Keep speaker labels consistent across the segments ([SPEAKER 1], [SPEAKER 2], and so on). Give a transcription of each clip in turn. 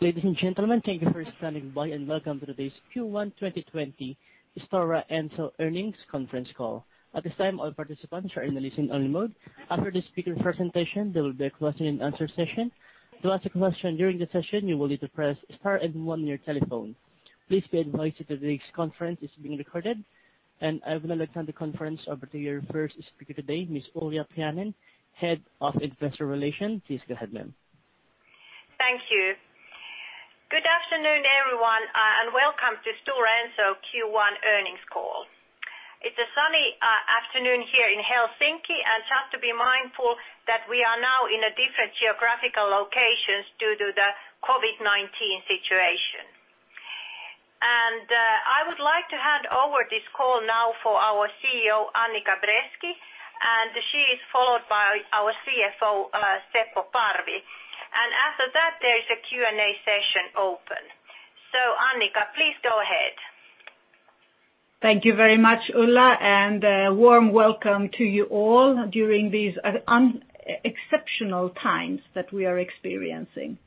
[SPEAKER 1] Ladies and gentlemen, thank you for standing by and welcome to today's Q1 2020 Stora Enso Earnings Conference Call. At this time, all participants are in a listen-only mode. After the speaker presentation, there will be a question and answer session. To ask a question during the session, you will need to press star and one on your telephone. Please be advised that today's conference is being recorded, and I would now like to hand the conference over to your first speaker today, Ms. Ulla Paajanen, Head of Investor Relations. Please go ahead, ma'am.
[SPEAKER 2] Thank you. Good afternoon, everyone, welcome to Stora Enso Q1 earnings call. It's a sunny afternoon here in Helsinki, and just to be mindful that we are now in a different geographical location due to the COVID-19 situation. I would like to hand over this call now for our CEO, Annica Bresky, and she is followed by our CFO, Seppo Parvi. After that, there is a Q&A session open. Annica, please go ahead.
[SPEAKER 3] Thank you very much, Ulla. A warm welcome to you all during these exceptional times that we are experiencing.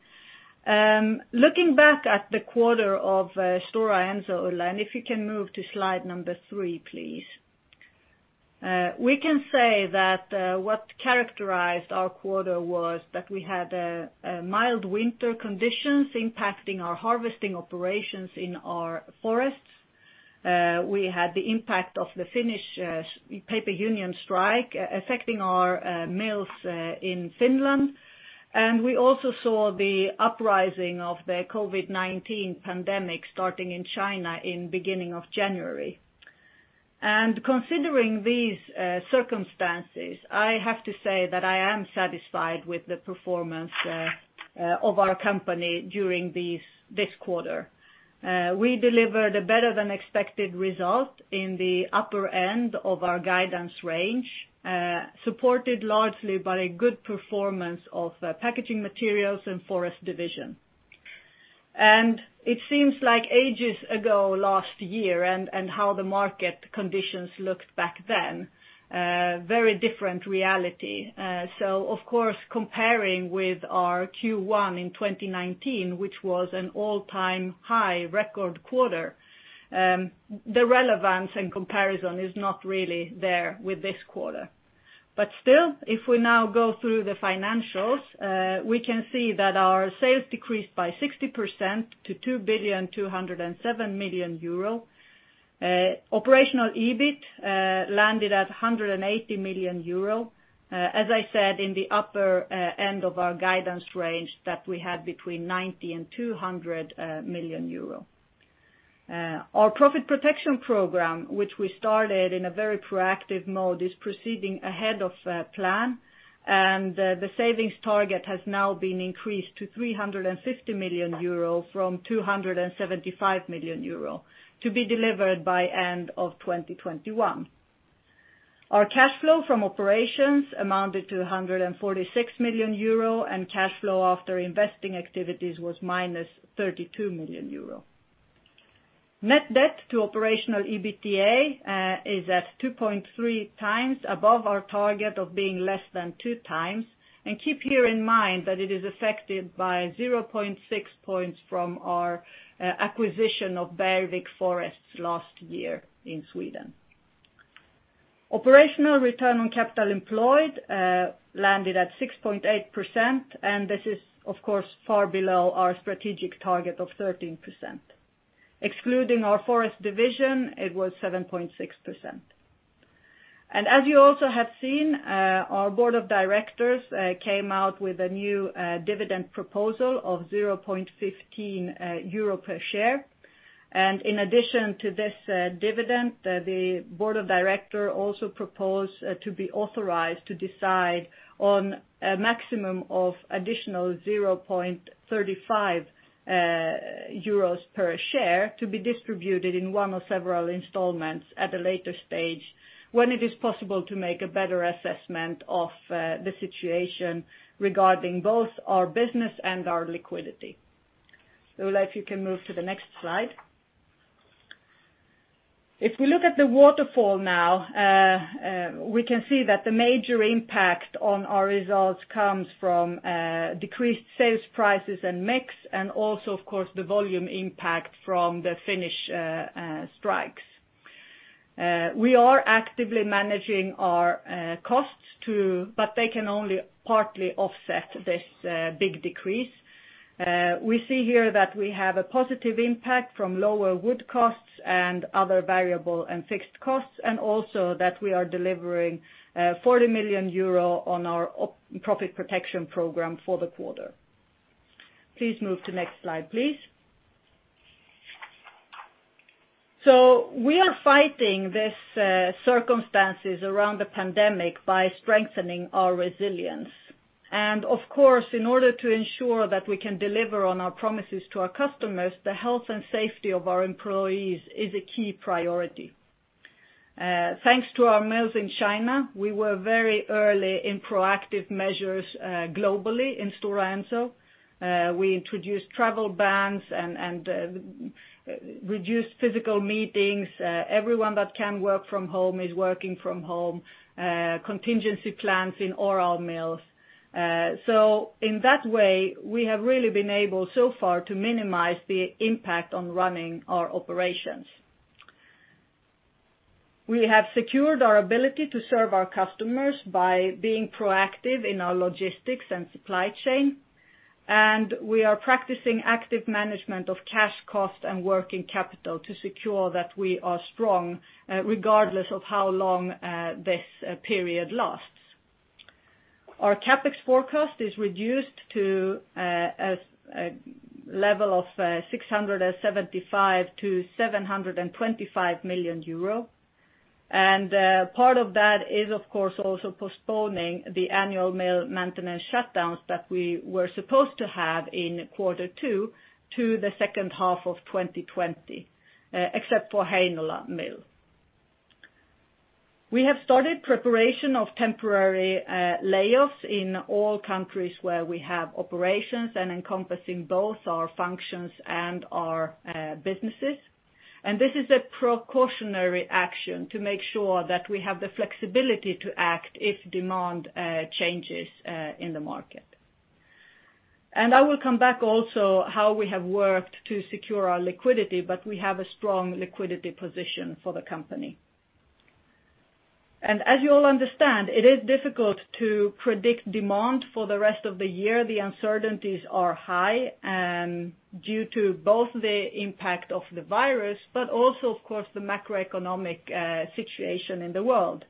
[SPEAKER 3] Looking back at the quarter of Stora Enso, Ulla, if you can move to slide number three, please. We can say that what characterized our quarter was that we had mild winter conditions impacting our harvesting operations in our forests. We had the impact of the Finnish Paperworkers' Union strike affecting our mills in Finland. We also saw the uprising of the COVID-19 pandemic starting in China in beginning of January. Considering these circumstances, I have to say that I am satisfied with the performance of our company during this quarter. We delivered a better than expected result in the upper end of our guidance range, supported largely by a good performance of Packaging Materials and Forest division. It seems like ages ago, last year, and how the market conditions looked back then, very different reality. Of course, comparing with our Q1 in 2019, which was an all-time high record quarter, the relevance and comparison is not really there with this quarter. Still, if we now go through the financials, we can see that our sales decreased by 60% to 2,207 million euro. Operational EBIT landed at 180 million euro. As I said, in the upper end of our guidance range that we had between 90 million and 200 million euro. Our Profit Protection Program, which we started in a very proactive mode, is proceeding ahead of plan, and the savings target has now been increased to 350 million euro from 275 million euro, to be delivered by end of 2021. Our cash flow from operations amounted to 146 million euro, and cash flow after investing activities was minus 32 million euro. Net debt to operational EBITDA is at 2.3 times above our target of being less than two times. Keep here in mind that it is affected by 0.6 points from our acquisition of Bergvik Skog last year in Sweden. Operational return on capital employed landed at 6.8%, and this is, of course, far below our strategic target of 13%. Excluding our Forest division, it was 7.6%. As you also have seen, our board of directors came out with a new dividend proposal of 0.15 euro per share. In addition to this dividend, the board of directors also proposed to be authorized to decide on a maximum of additional 0.35 euros per share to be distributed in one or several installments at a later stage, when it is possible to make a better assessment of the situation regarding both our business and our liquidity. Ulla, if you can move to the next slide. If we look at the waterfall now, we can see that the major impact on our results comes from decreased sales prices and mix, and also, of course, the volume impact from the Finnish strikes. We are actively managing our costs too, they can only partly offset this big decrease. We see here that we have a positive impact from lower wood costs and other variable and fixed costs, and also that we are delivering 40 million euro on our Profit Protection Program for the quarter. Please move to next slide, please. We are fighting these circumstances around the pandemic by strengthening our resilience. Of course, in order to ensure that we can deliver on our promises to our customers, the health and safety of our employees is a key priority. Thanks to our mills in China, we were very early in proactive measures globally in Stora Enso. We introduced travel bans and reduced physical meetings. Everyone that can work from home is working from home. Contingency plans in all our mills. In that way, we have really been able so far to minimize the impact on running our operations. We have secured our ability to serve our customers by being proactive in our logistics and supply chain, and we are practicing active management of cash cost and working capital to secure that we are strong regardless of how long this period lasts. Our CapEx forecast is reduced to a level of 675 million-725 million euro. Part of that is, of course, also postponing the annual mill maintenance shutdowns that we were supposed to have in quarter two to the second half of 2020, except for Heinola mill. We have started preparation of temporary layoffs in all countries where we have operations and encompassing both our functions and our businesses. This is a precautionary action to make sure that we have the flexibility to act if demand changes in the market. I will come back also how we have worked to secure our liquidity, but we have a strong liquidity position for the company. As you all understand, it is difficult to predict demand for the rest of the year. The uncertainties are high, and due to both the impact of the virus, but also, of course, the macroeconomic situation in the world.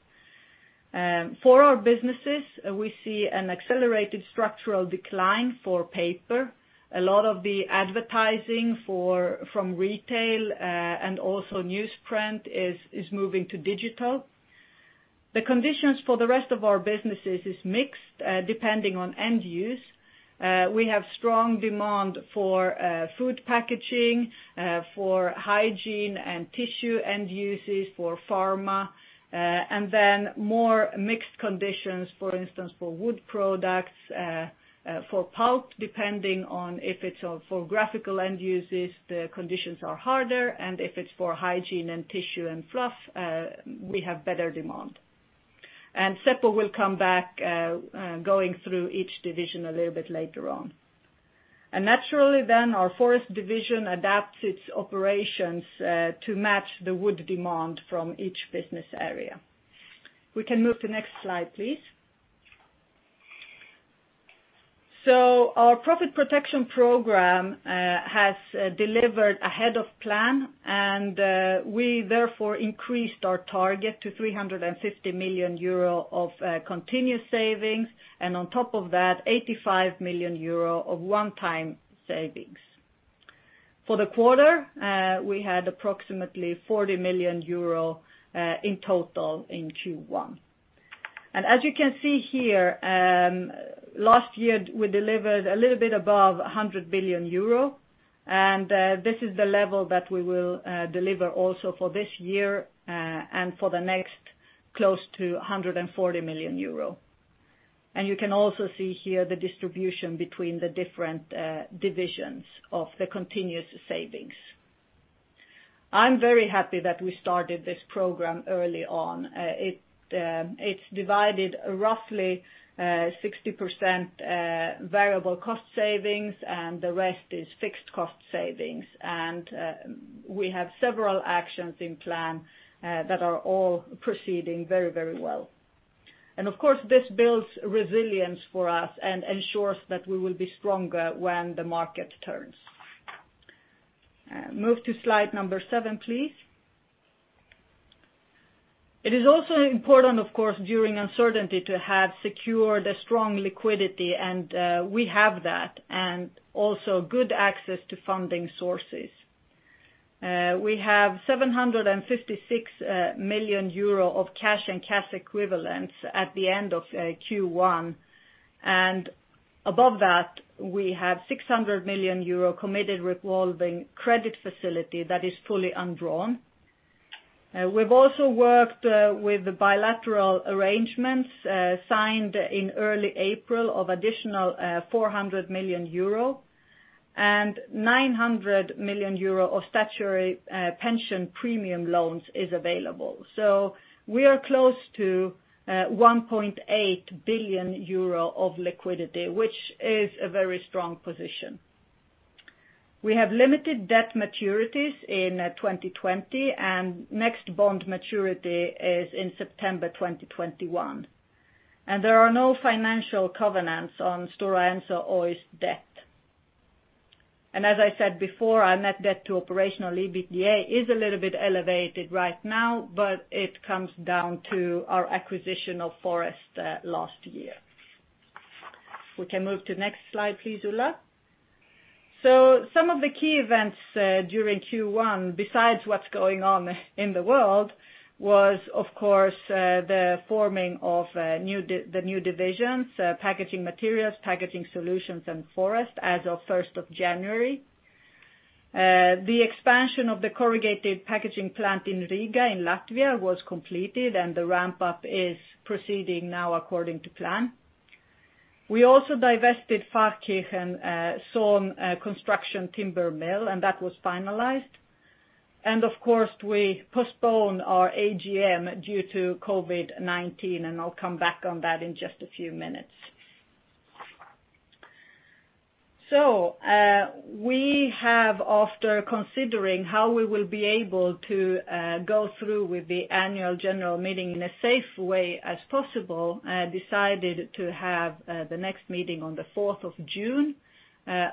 [SPEAKER 3] For our businesses, we see an accelerated structural decline for paper. A lot of the advertising from retail, and also newsprint is moving to digital. The conditions for the rest of our businesses is mixed, depending on end use. We have strong demand for food packaging, for hygiene and tissue end uses, for pharma, and then more mixed conditions, for instance, for wood products, for pulp, depending on if it's for graphical end uses, the conditions are harder, and if it's for hygiene and tissue and fluff, we have better demand. Seppo will come back going through each division a little bit later on. Naturally then our Forest division adapts its operations to match the wood demand from each business area. We can move to next slide, please. Our profit protection program has delivered ahead of plan, and we therefore increased our target to 350 million euro of continuous savings, and on top of that, 85 million euro of one-time savings. For the quarter, we had approximately 40 million euro in total in Q1. As you can see here, last year we delivered a little bit above 100 billion euro, this is the level that we will deliver also for this year, and for the next close to 140 million euro. You can also see here the distribution between the different divisions of the continuous savings. I'm very happy that we started this program early on. It's divided roughly 60% variable cost savings, and the rest is fixed cost savings. We have several actions in plan that are all proceeding very well. Of course, this builds resilience for us and ensures that we will be stronger when the market turns. Move to slide number seven, please. It is also important, of course, during uncertainty to have secured a strong liquidity, and we have that, and also good access to funding sources. We have 756 million euro of cash and cash equivalents at the end of Q1. Above that, we have 600 million euro committed revolving credit facility that is fully undrawn. We've also worked with bilateral arrangements signed in early April of additional 400 million euro and 900 million euro of statutory pension premium loans is available. We are close to 1.8 billion euro of liquidity, which is a very strong position. We have limited debt maturities in 2020, and next bond maturity is in September 2021. There are no financial covenants on Stora Enso or its debt. As I said before, our net debt to operational EBITDA is a little bit elevated right now, but it comes down to our acquisition of Forest last year. We can move to next slide please, Ulla. Some of the key events during Q1, besides what's going on in the world, was, of course, the forming of the new divisions, Packaging Materials, Packaging Solutions, and Forest as of 1st of January. The expansion of the corrugated packaging plant in Riga in Latvia was completed, and the ramp-up is proceeding now according to plan. We also divested Pfarrkirchen sawn construction timber mill, and that was finalized. Of course, we postpone our AGM due to COVID-19, and I'll come back on that in just a few minutes. We have, after considering how we will be able to go through with the annual general meeting in a safe way as possible, decided to have the next meeting on the 4th of June,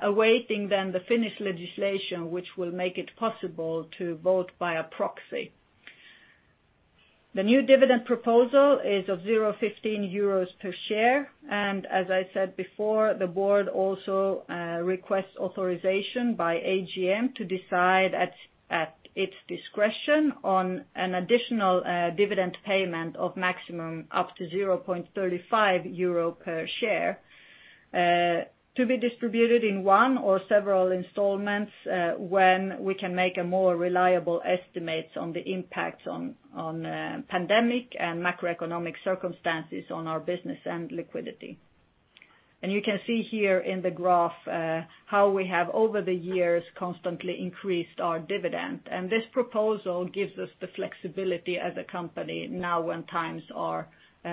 [SPEAKER 3] awaiting then the Finnish legislation, which will make it possible to vote by a proxy. The new dividend proposal is of 0.15 euros per share. As I said before, the board also requests authorization by AGM to decide at its discretion on an additional dividend payment of maximum up to 0.35 euro per share, to be distributed in one or several installments, when we can make a more reliable estimate on the impact on pandemic and macroeconomic circumstances on our business and liquidity. You can see here in the graph how we have, over the years, constantly increased our dividend. This proposal gives us the flexibility as a company now when times are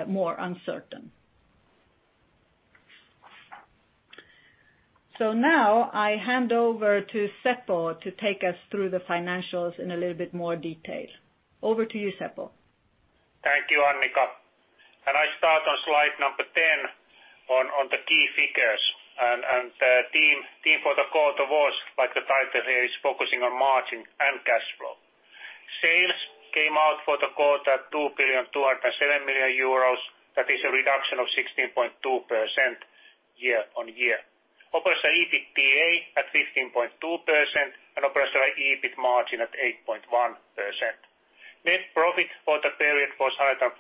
[SPEAKER 3] more uncertain. Now I hand over to Seppo to take us through the financials in a little bit more detail. Over to you, Seppo.
[SPEAKER 4] Thank you, Annica. I start on slide number 10 on the key figures. The theme for the quarter was, like the title here, is focusing on margin and cash flow. Sales came out for the quarter at 2 billion 207 million. That is a reduction of 16.2% year-on-year. Operational EBITDA at 15.2% and operational EBIT margin at 8.1%. Net profit for the period was 149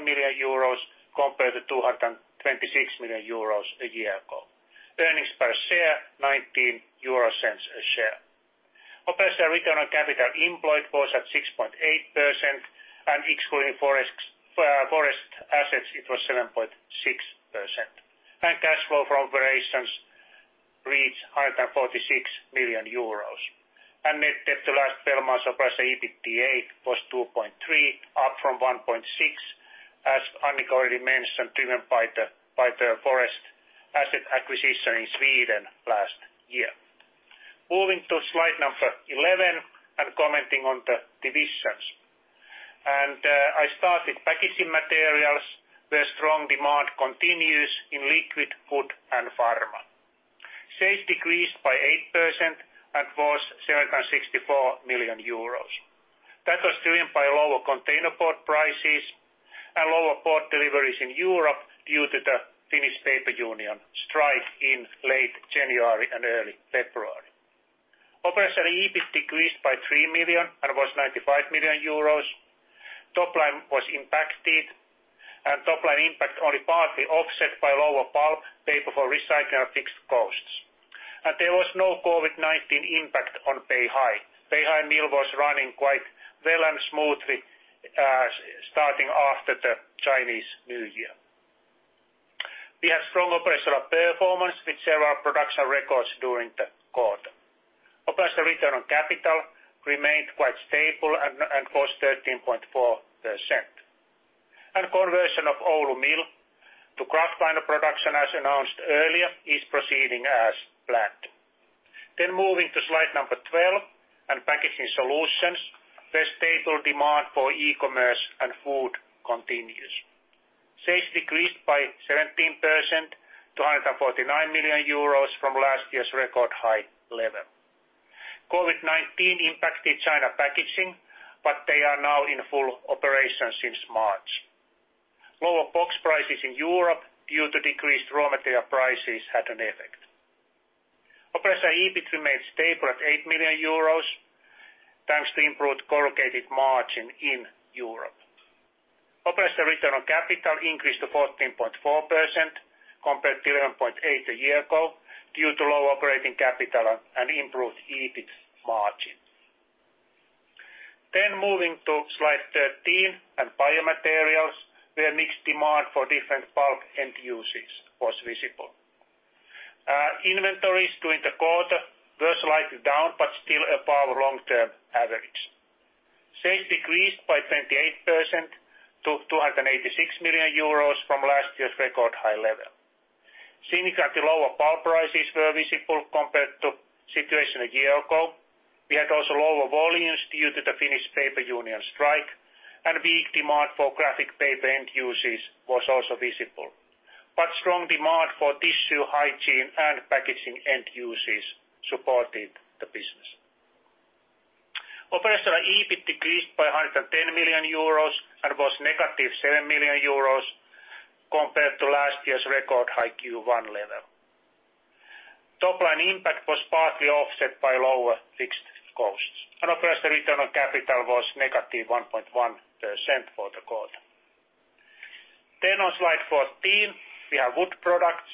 [SPEAKER 4] million euros compared to 226 million euros a year ago. Earnings per share, 0.19 a share. Operational return on capital employed was at 6.8%, and excluding forest assets, it was 7.6%. Cash flow from operations reached 146 million euros. Net debt to last 12 months operational EBITDA was 2.3 up from 1.6, as Annica already mentioned, driven by the forest asset acquisition in Sweden last year. Moving to slide number 11 and commenting on the divisions. I start with Packaging Materials, where strong demand continues in liquid, food, and pharma. Sales decreased by 8% and was 764 million euros. That was driven by lower containerboard prices and lower board deliveries in Europe due to the Finnish Paperworkers' Union strike in late January and early February. Operational EBIT decreased by 3 million and was 95 million euros. Top line was impacted, top line impact only partly offset by lower pulp, paper for recycling, and fixed costs. There was no COVID-19 impact on Beihai. Beihai Mill was running quite well and smoothly, starting after the Chinese New Year. We had strong operational performance with several production records during the quarter. Operational return on capital remained quite stable and was 13.4%. Conversion of Oulu Mill to kraftliner production, as announced earlier, is proceeding as planned. Moving to slide number 12 on Packaging Solutions, where stable demand for e-commerce and food continues. Sales decreased by 17% to 149 million euros from last year's record high level. COVID-19 impacted China packaging, but they are now in full operation since March. Lower box prices in Europe, due to decreased raw material prices, had an effect. Operational EBIT remained stable at 8 million euros, thanks to improved corrugated margin in Europe. Operational return on capital increased to 14.4% compared to 11.8% a year ago, due to lower operating capital and improved EBIT margin. Moving to slide 13 on biomaterials, where mixed demand for different pulp end uses was visible. Inventories during the quarter were slightly down but still above long-term average. Sales decreased by 28% to 286 million euros from last year's record high level. Significantly lower pulp prices were visible compared to situation a year ago. We had also lower volumes due to the Finnish Paperworkers' Union strike, and weak demand for graphic paper end uses was also visible. Strong demand for tissue, hygiene, and packaging end uses supported the business. Operational EBIT decreased by 110 million euros and was negative 7 million euros compared to last year's record high Q1 level. Top line impact was partly offset by lower fixed costs. Operational return on capital was negative 1.1% for the quarter. On slide 14, we have wood products,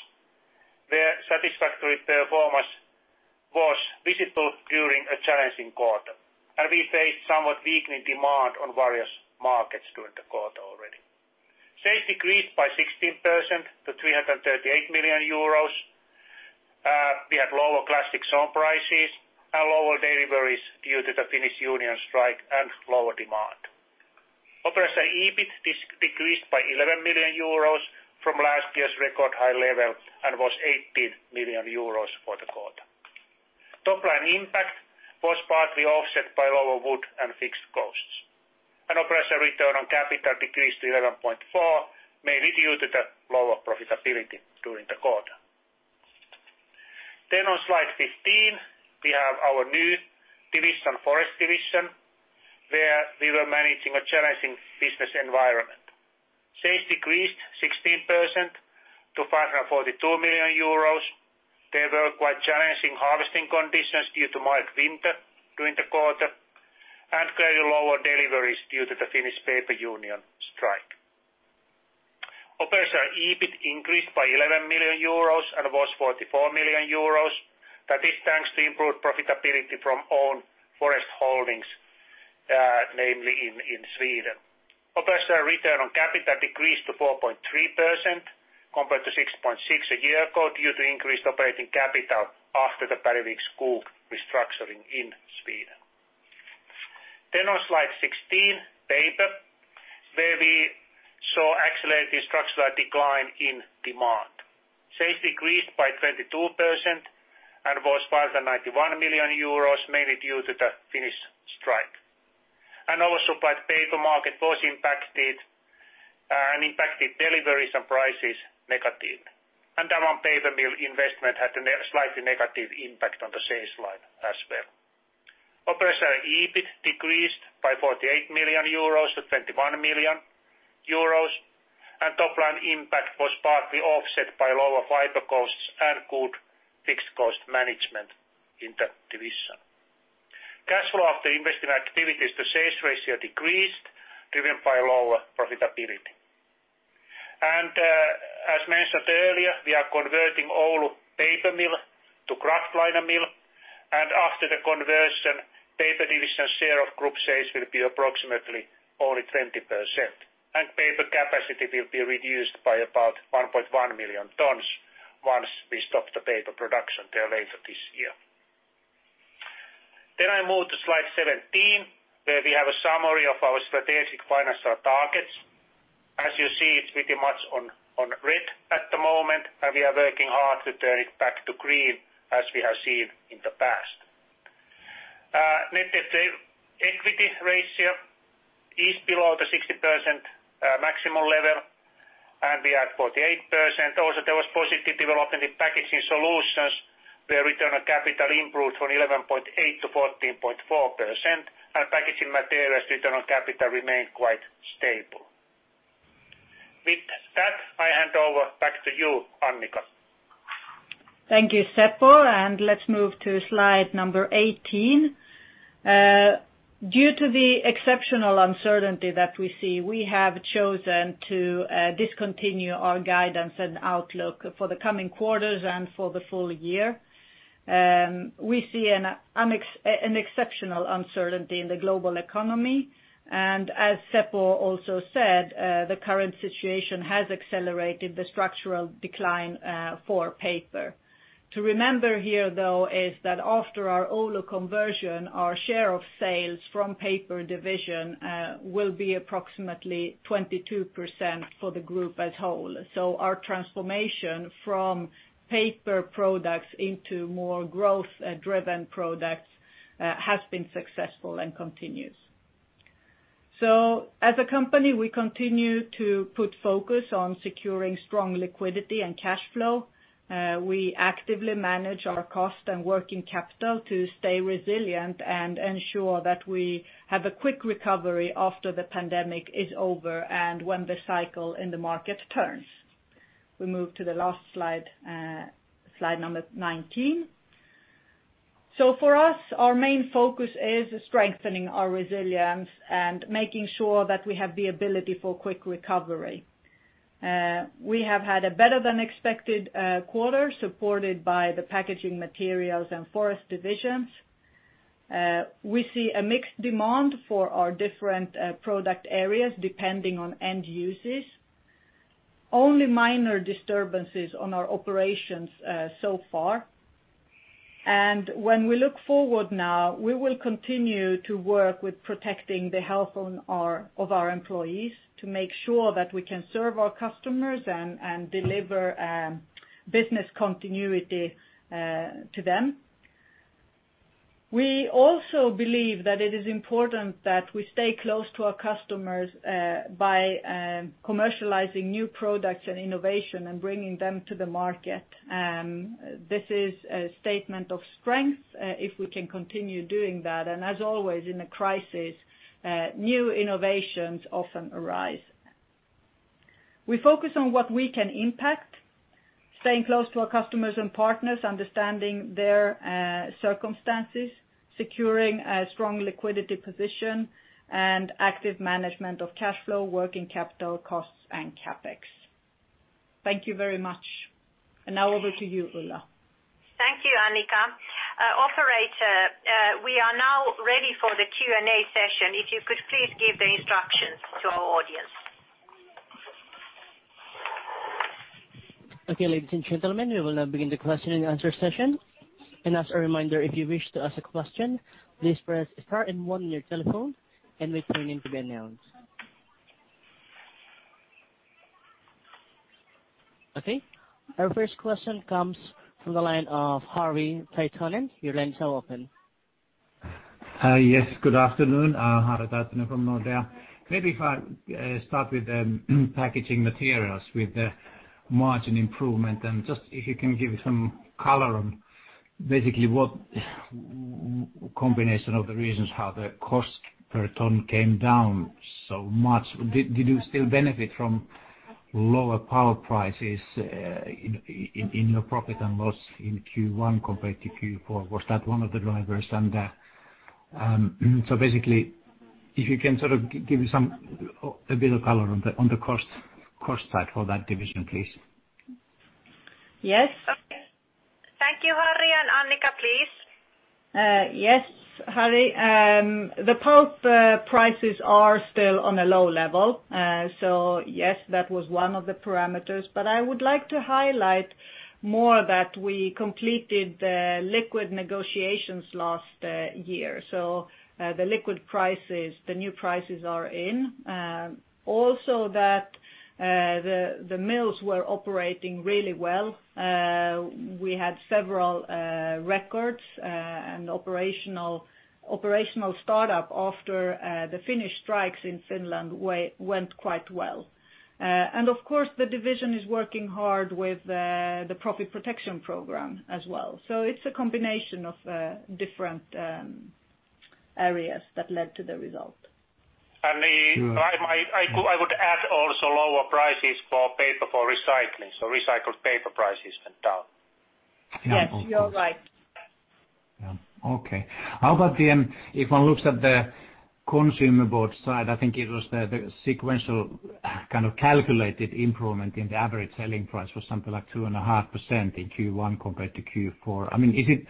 [SPEAKER 4] where satisfactory performance was visible during a challenging quarter. We faced somewhat weakening demand on various markets during the quarter already. Sales decreased by 16% to 338 million euros. We had lower classic sawn prices and lower deliveries due to the Finnish Paperworkers' Union strike and lower demand. Operational EBIT decreased by 11 million euros from last year's record high level, and was 18 million euros for the quarter. Top-line impact was partly offset by lower wood and fixed costs. Operational return on capital decreased to 11.4, mainly due to the lower profitability during the quarter. On slide 15, we have our new division, Forest division, where we were managing a challenging business environment. Sales decreased 16% to 542 million euros. There were quite challenging harvesting conditions due to mild winter during the quarter, and clearly lower deliveries due to the Finnish Paperworkers' Union strike. Operational EBIT increased by 11 million euros and was 44 million euros. That is thanks to improved profitability from owned forest holdings, namely in Sweden. Operational return on capital decreased to 4.3% compared to 6.6% a year ago, due to increased operating capital after the Bergvik Skog restructuring in Sweden. On slide 16, paper, where we saw accelerated structural decline in demand. Sales decreased by 22% and was 591 million euros, mainly due to the Finnish strike. Oversupplied paper market was impacted, and impacted deliveries and prices negatively. The Rauma paper mill investment had a slightly negative impact on the sales line as well. Operational EBIT decreased by 48 million euros to 21 million euros, and top line impact was partly offset by lower fiber costs and good fixed cost management in that division. Cash flow after investing activities to sales ratio decreased, driven by lower profitability. As mentioned earlier, we are converting Oulu paper mill to kraftliner mill, and after the conversion, paper division share of group sales will be approximately only 20%. Paper capacity will be reduced by about 1.1 million tons once we stop the paper production there later this year. I move to slide 17, where we have a summary of our strategic financial targets. As you see, it's pretty much on red at the moment, and we are working hard to turn it back to green, as we have seen in the past. Net equity ratio is below the 60% maximum level, and we are at 48%. There was positive development in Packaging Solutions, where return on capital improved from 11.8% to 14.4%, and Packaging Materials return on capital remained quite stable. With that, I hand over back to you, Annica.
[SPEAKER 3] Thank you, Seppo. Let's move to slide number 18. Due to the exceptional uncertainty that we see, we have chosen to discontinue our guidance and outlook for the coming quarters and for the full year. We see an exceptional uncertainty in the global economy. As Seppo also said, the current situation has accelerated the structural decline for paper. To remember here, though, is that after our Oulu conversion, our share of sales from paper division will be approximately 22% for the group as whole. Our transformation from paper products into more growth-driven products has been successful and continues. As a company, we continue to put focus on securing strong liquidity and cash flow. We actively manage our cost and working capital to stay resilient and ensure that we have a quick recovery after the pandemic is over and when the cycle in the market turns. We move to the last slide number 19. For us, our main focus is strengthening our resilience and making sure that we have the ability for quick recovery. We have had a better-than-expected quarter supported by the Packaging Materials and Forest divisions. We see a mixed demand for our different product areas depending on end uses. Only minor disturbances on our operations so far. When we look forward now, we will continue to work with protecting the health of our employees to make sure that we can serve our customers and deliver business continuity to them. We also believe that it is important that we stay close to our customers by commercializing new products and innovation and bringing them to the market. This is a statement of strength if we can continue doing that, and as always in a crisis, new innovations often arise. We focus on what we can impact, staying close to our customers and partners, understanding their circumstances, securing a strong liquidity position, and active management of cash flow, working capital costs and CapEx. Thank you very much. Now over to you, Ulla.
[SPEAKER 2] Thank you, Annica. Operator, we are now ready for the Q&A session. If you could please give the instructions to our audience.
[SPEAKER 1] Okay, ladies and gentlemen, we will now begin the question and answer session. As a reminder, if you wish to ask a question, please press star and one on your telephone and wait for your name to be announced. Okay, our first question comes from the line of Harri Taittonen. Your line is now open.
[SPEAKER 5] Yes, good afternoon. Harri Taittonen from Nordea. Maybe if I start with the Packaging Materials with the margin improvement, just if you can give some color on basically what combination of the reasons how the cost per ton came down so much. Did you still benefit from lower power prices, in your profit and loss in Q1 compared to Q4? Was that one of the drivers? So basically if you can sort of give a bit of color on the cost side for that division, please.
[SPEAKER 3] Yes.
[SPEAKER 2] Thank you, Harri. Annica, please.
[SPEAKER 3] Yes, Harri. The pulp prices are still on a low level. Yes, that was one of the parameters, but I would like to highlight more that we completed the liquid negotiations last year. The liquid prices, the new prices are in. Also that the mills were operating really well. We had several records, and operational startup after the Finnish strikes in Finland went quite well. Of course, the division is working hard with the Profit Protection Program as well. It's a combination of different areas that led to the result.
[SPEAKER 4] I would add also lower prices for paper for recycling. Recycled paper prices went down.
[SPEAKER 3] Yes, you are right.
[SPEAKER 5] Yeah, okay. How about if one looks at the consumer board side, I think it was the sequential kind of calculated improvement in the average selling price for something like 2.5% in Q1 compared to Q4.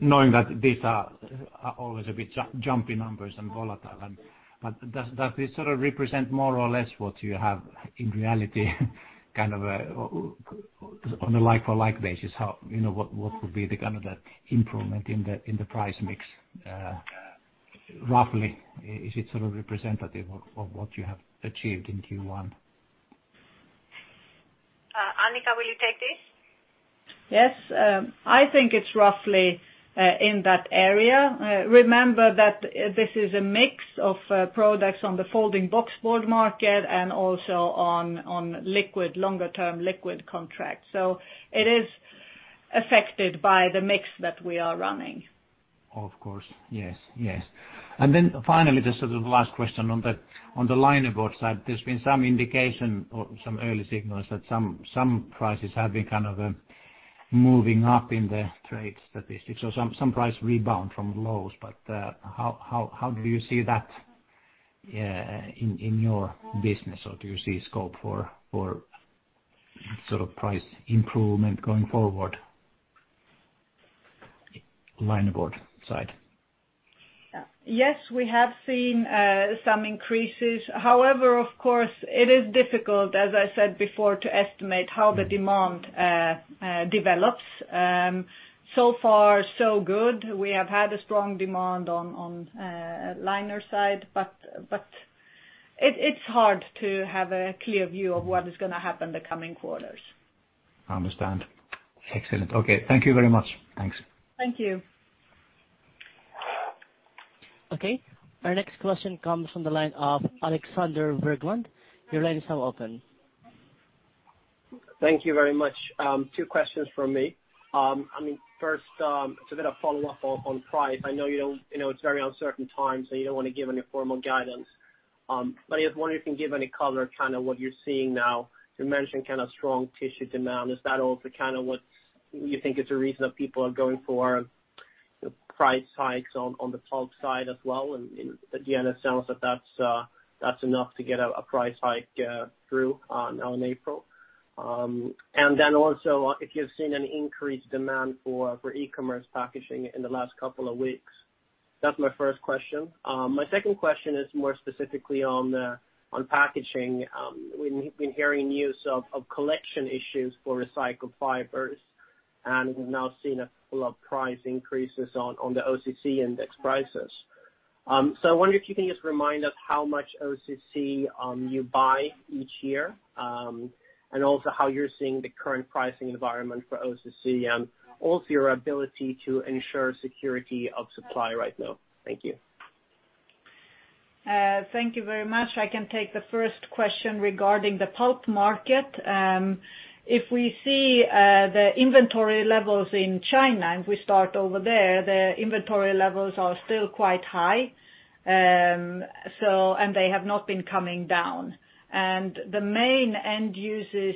[SPEAKER 5] Knowing that these are always a bit jumpy numbers and volatile, does this sort of represent more or less what you have in reality, kind of on a like for like basis, what would be the kind of the improvement in the price mix? Roughly is it sort of representative of what you have achieved in Q1?
[SPEAKER 2] Annica, will you take this?
[SPEAKER 3] Yes. I think it's roughly in that area. Remember that this is a mix of products on the folding boxboard market and also on longer term liquid contract. It is affected by the mix that we are running.
[SPEAKER 5] Of course. Yes. Finally, the sort of last question on the linerboard side, there's been some indication or some early signals that some prices have been kind of moving up in the trade statistics or some price rebound from lows. How do you see that in your business? Or do you see scope for sort of price improvement going forward? Linerboard side.
[SPEAKER 3] Yes, we have seen some increases. Of course it is difficult, as I said before, to estimate how the demand develops. So far so good. We have had a strong demand on liner side, but it's hard to have a clear view of what is going to happen the coming quarters.
[SPEAKER 5] I understand. Excellent. Okay. Thank you very much. Thanks.
[SPEAKER 3] Thank you.
[SPEAKER 1] Okay. Our next question comes from the line of Alexander Berglund. Your line is now open.
[SPEAKER 6] Thank you very much. Two questions from me. First, to get a follow-up on price. I know it's a very uncertain time, so you don't want to give any formal guidance. I just wonder if you can give any color kind of what you're seeing now. You mentioned kind of strong tissue demand. Is that also kind of what you think is the reason that people are going for price hikes on the pulp side as well? Again, it sounds like that's enough to get a price hike through now in April. Then also, if you've seen any increased demand for e-commerce packaging in the last couple of weeks. That's my first question. My second question is more specifically on packaging. We've been hearing news of collection issues for recycled fibers, and we've now seen a couple of price increases on the OCC index prices. I wonder if you can just remind us how much OCC you buy each year, and also how you're seeing the current pricing environment for OCC, and also your ability to ensure security of supply right now? Thank you.
[SPEAKER 3] Thank you very much. I can take the first question regarding the pulp market. If we see the inventory levels in China, if we start over there, the inventory levels are still quite high, and they have not been coming down. The main end uses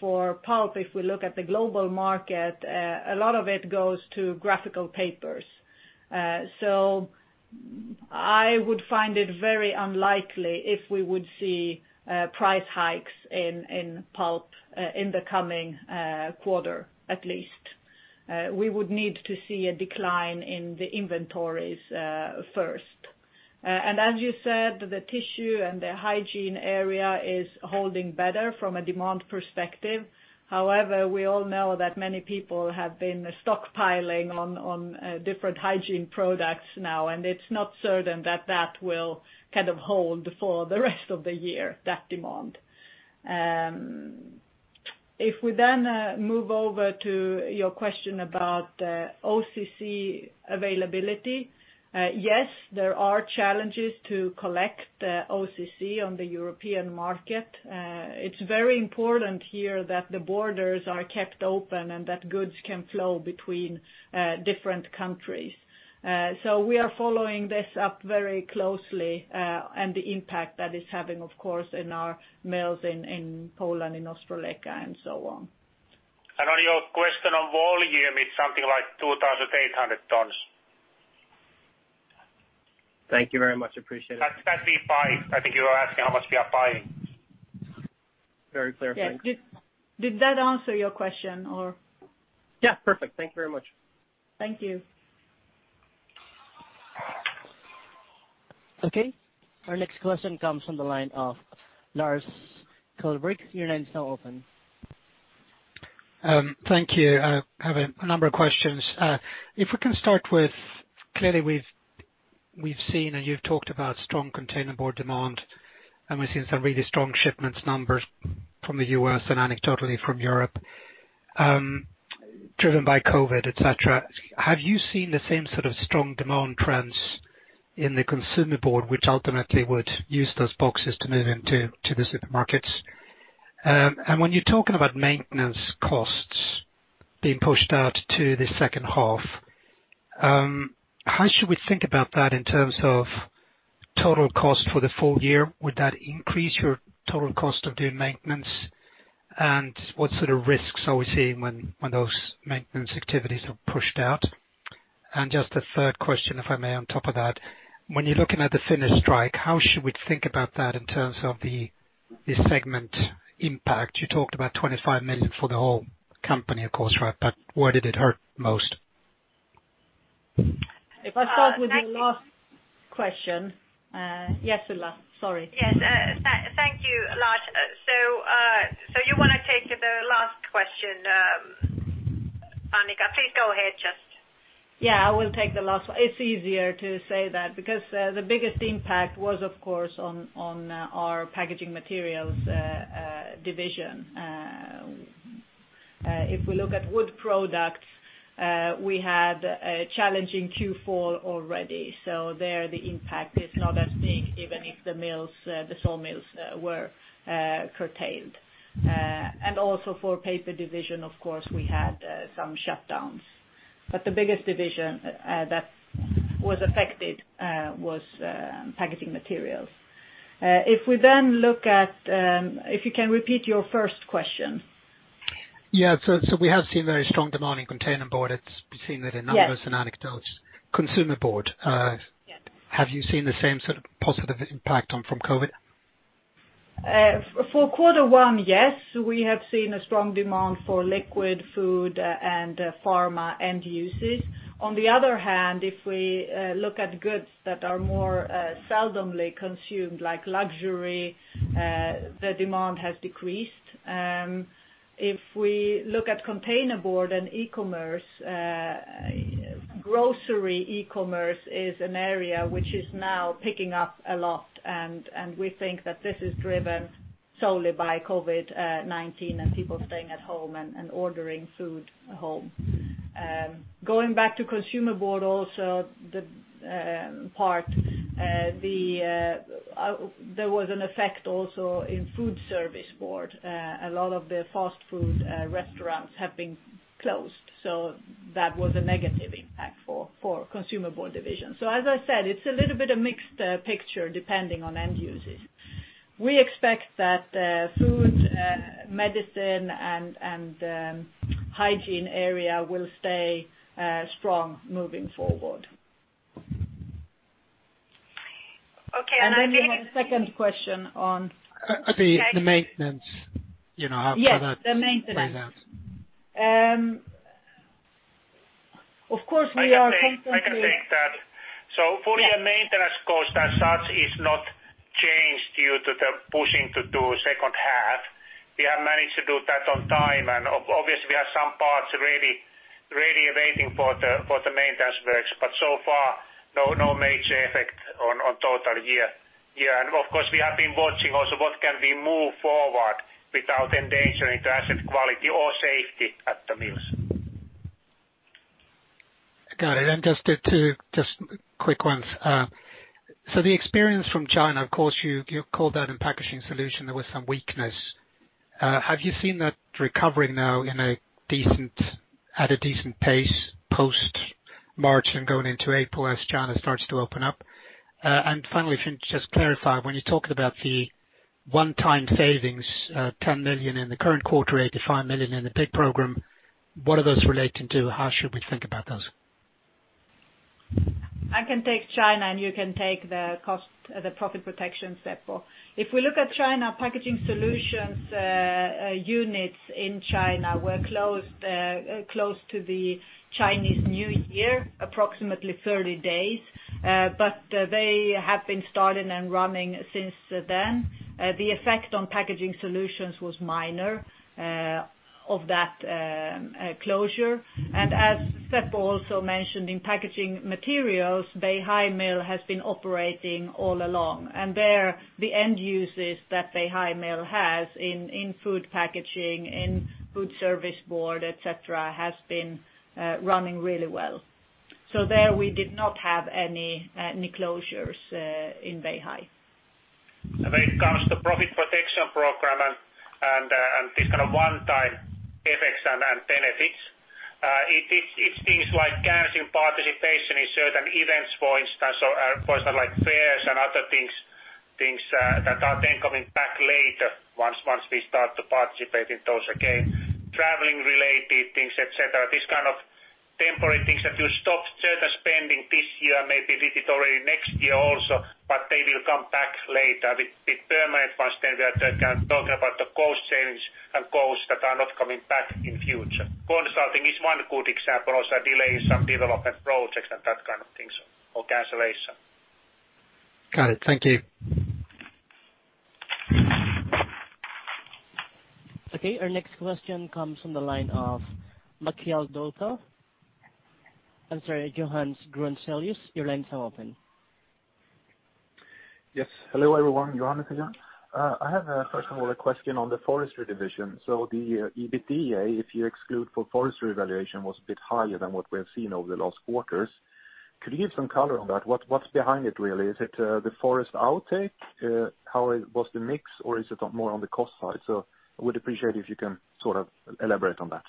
[SPEAKER 3] for pulp, if we look at the global market, a lot of it goes to graphical papers. I would find it very unlikely if we would see price hikes in pulp in the coming quarter at least. We would need to see a decline in the inventories first. As you said, the tissue and the hygiene area is holding better from a demand perspective. However, we all know that many people have been stockpiling on different hygiene products now, and it's not certain that that will hold for the rest of the year, that demand. If we then move over to your question about OCC availability. Yes, there are challenges to collect OCC on the European market. It's very important here that the borders are kept open and that goods can flow between different countries. We are following this up very closely and the impact that is having, of course, in our mills in Poland, in Ostrołęka, and so on.
[SPEAKER 4] On your question on volume, it's something like 2,800 tons.
[SPEAKER 6] Thank you very much. Appreciate it.
[SPEAKER 4] That we buy. I think you were asking how much we are buying.
[SPEAKER 6] Very clear. Thank you.
[SPEAKER 3] Did that answer your question, or?
[SPEAKER 6] Yeah, perfect. Thank you very much.
[SPEAKER 3] Thank you.
[SPEAKER 1] Okay. Our next question comes from the line of Lars Kjellberg. Your line is now open.
[SPEAKER 7] Thank you. I have a number of questions. Clearly we've seen, you've talked about strong containerboard demand, we've seen some really strong shipments numbers from the U.S. and anecdotally from Europe, driven by COVID-19, et cetera. Have you seen the same sort of strong demand trends in the consumer board, which ultimately would use those boxes to move into the supermarkets? When you're talking about maintenance costs being pushed out to the second half, how should we think about that in terms of total cost for the full year? Would that increase your total cost of doing maintenance? What sort of risks are we seeing when those maintenance activities are pushed out? Just a third question, if I may, on top of that. When you're looking at the Finnish strike, how should we think about that in terms of the segment impact? You talked about 25 million for the whole company, of course. Where did it hurt most?
[SPEAKER 3] If I start with the last question. Yes, Ulla, sorry.
[SPEAKER 2] Yes. Thank you, Lars. You want to take the last question, Annica, please go ahead.
[SPEAKER 3] Yeah, I will take the last one. It's easier to say that because the biggest impact was, of course, on our Packaging Materials division. If we look at wood products, we had a challenging Q4 already. There the impact is not as big, even if the sawmills were curtailed. Also for Paper division, of course, we had some shutdowns. The biggest division that was affected was Packaging Materials. If you can repeat your first question.
[SPEAKER 7] Yeah. We have seen very strong demand in containerboard. It's been seen in the numbers and anecdotes.
[SPEAKER 3] Yes.
[SPEAKER 7] Consumer board.
[SPEAKER 3] Yes.
[SPEAKER 7] Have you seen the same sort of positive impact from COVID?
[SPEAKER 3] For quarter one, yes. We have seen a strong demand for liquid food and pharma end uses. On the other hand, if we look at goods that are more seldomly consumed, like luxury, the demand has decreased. If we look at containerboard and e-commerce, grocery e-commerce is an area which is now picking up a lot, and we think that this is driven solely by COVID-19 and people staying at home and ordering food home. Going back to consumer board also, there was an effect also in food service board. A lot of the fast food restaurants have been closed. That was a negative impact for consumer board division. As I said, it's a little bit of mixed picture depending on end usage. We expect that food, medicine, and hygiene area will stay strong moving forward.
[SPEAKER 2] Okay.
[SPEAKER 3] You had a second question.
[SPEAKER 7] The maintenance.
[SPEAKER 3] Yes, the maintenance.
[SPEAKER 7] plays out.
[SPEAKER 3] Of course, we are constantly-
[SPEAKER 4] I can take that. For the maintenance cost as such is not changed due to the pushing to do second half. We have managed to do that on time. Obviously we have some parts ready waiting for the maintenance works. So far, no major effect on total year. Of course we have been watching also what can we move forward without endangering the asset quality or safety at the mills.
[SPEAKER 7] Got it. Just two quick ones. The experience from China, of course, you called out in Packaging Solutions, there was some weakness. Have you seen that recovering now at a decent pace post-March and going into April as China starts to open up? Finally, if you can just clarify, when you're talking about the one-time savings, 10 million in the current quarter, 85 million in the BIG program, what are those relating to? How should we think about those?
[SPEAKER 3] I can take China and you can take the profit protection, Seppo. They have been started and running since then. The effect on Packaging Solutions was minor of that closure. As Seppo also mentioned, in Packaging Materials, Beihai mill has been operating all along, and there, the end uses that Beihai mill has in food packaging, in food service board, et cetera, has been running really well. There, we did not have any closures in Beihai.
[SPEAKER 4] When it comes to profit protection program and this kind of one-time effects and benefits, it's things like canceling participation in certain events, for instance, like fairs and other things that are then coming back later once we start to participate in those again, traveling related things, et cetera. These kind of temporary things that you stop certain spending this year, maybe did it already next year also, but they will come back later. With permanent ones, then we are talking about the cost savings and costs that are not coming back in future. Consulting is one good example. Also, delaying some development projects and that kind of things, or cancellation.
[SPEAKER 7] Got it. Thank you.
[SPEAKER 1] Okay, our next question comes from the line of Mikael Doepel. I'm sorry, Johannes Grunselius, your lines are open.
[SPEAKER 8] Yes. Hello, everyone, Johannes again. I have, first of all, a question on the Forest division. The EBITDA, if you exclude for Forest valuation, was a bit higher than what we have seen over the last quarters. Could you give some color on that? What's behind it, really? Is it the Forest outtake? How was the mix? Is it more on the cost side? I would appreciate if you can sort of elaborate on that.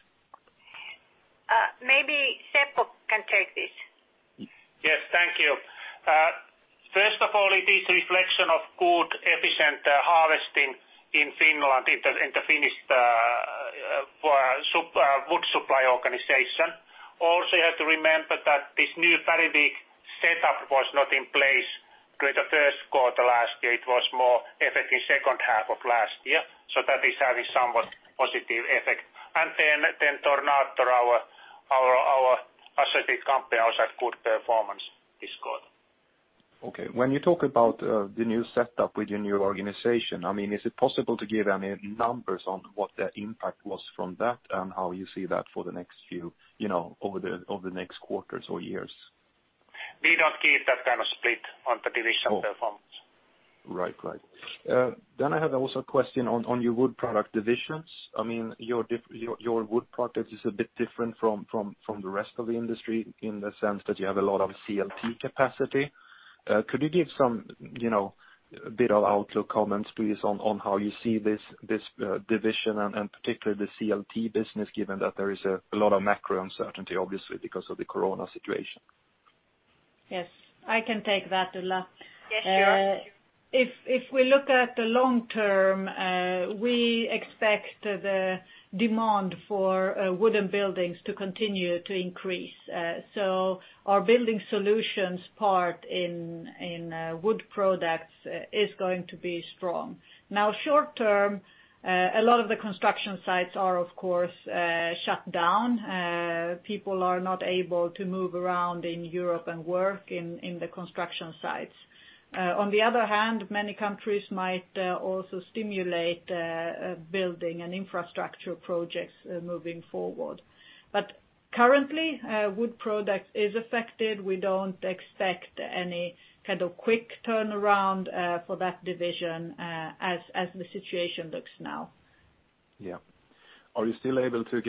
[SPEAKER 2] Maybe Seppo can take this.
[SPEAKER 4] Yes, thank you. First of all, it is reflection of good, efficient harvesting in Finland in the Finnish wood supply organization. You have to remember that this new very big setup was not in place during the first quarter last year. It was more effective second half of last year. That is having somewhat positive effect. Tornator, our associated company, also had good performance this quarter.
[SPEAKER 8] Okay. When you talk about the new setup with your new organization, is it possible to give any numbers on what the impact was from that and how you see that over the next quarters or years?
[SPEAKER 4] We don't give that kind of split on the division performance.
[SPEAKER 8] Right. I have also a question on your wood product divisions. Your wood product is a bit different from the rest of the industry in the sense that you have a lot of CLT capacity. Could you give some bit of outlook comments, please, on how you see this division and particularly the CLT business, given that there is a lot of macro uncertainty, obviously, because of the COVID-19 situation?
[SPEAKER 3] Yes, I can take that, Ulla.
[SPEAKER 2] Yes, sure.
[SPEAKER 3] If we look at the long term, we expect the demand for wooden buildings to continue to increase. Our Building Solutions part in wood products is going to be strong. Now, short term, a lot of the construction sites are, of course, shut down. People are not able to move around in Europe and work in the construction sites. On the other hand, many countries might also stimulate building and infrastructure projects moving forward. Currently, wood product is affected. We don't expect any kind of quick turnaround for that division as the situation looks now.
[SPEAKER 8] Yeah. Are you still able to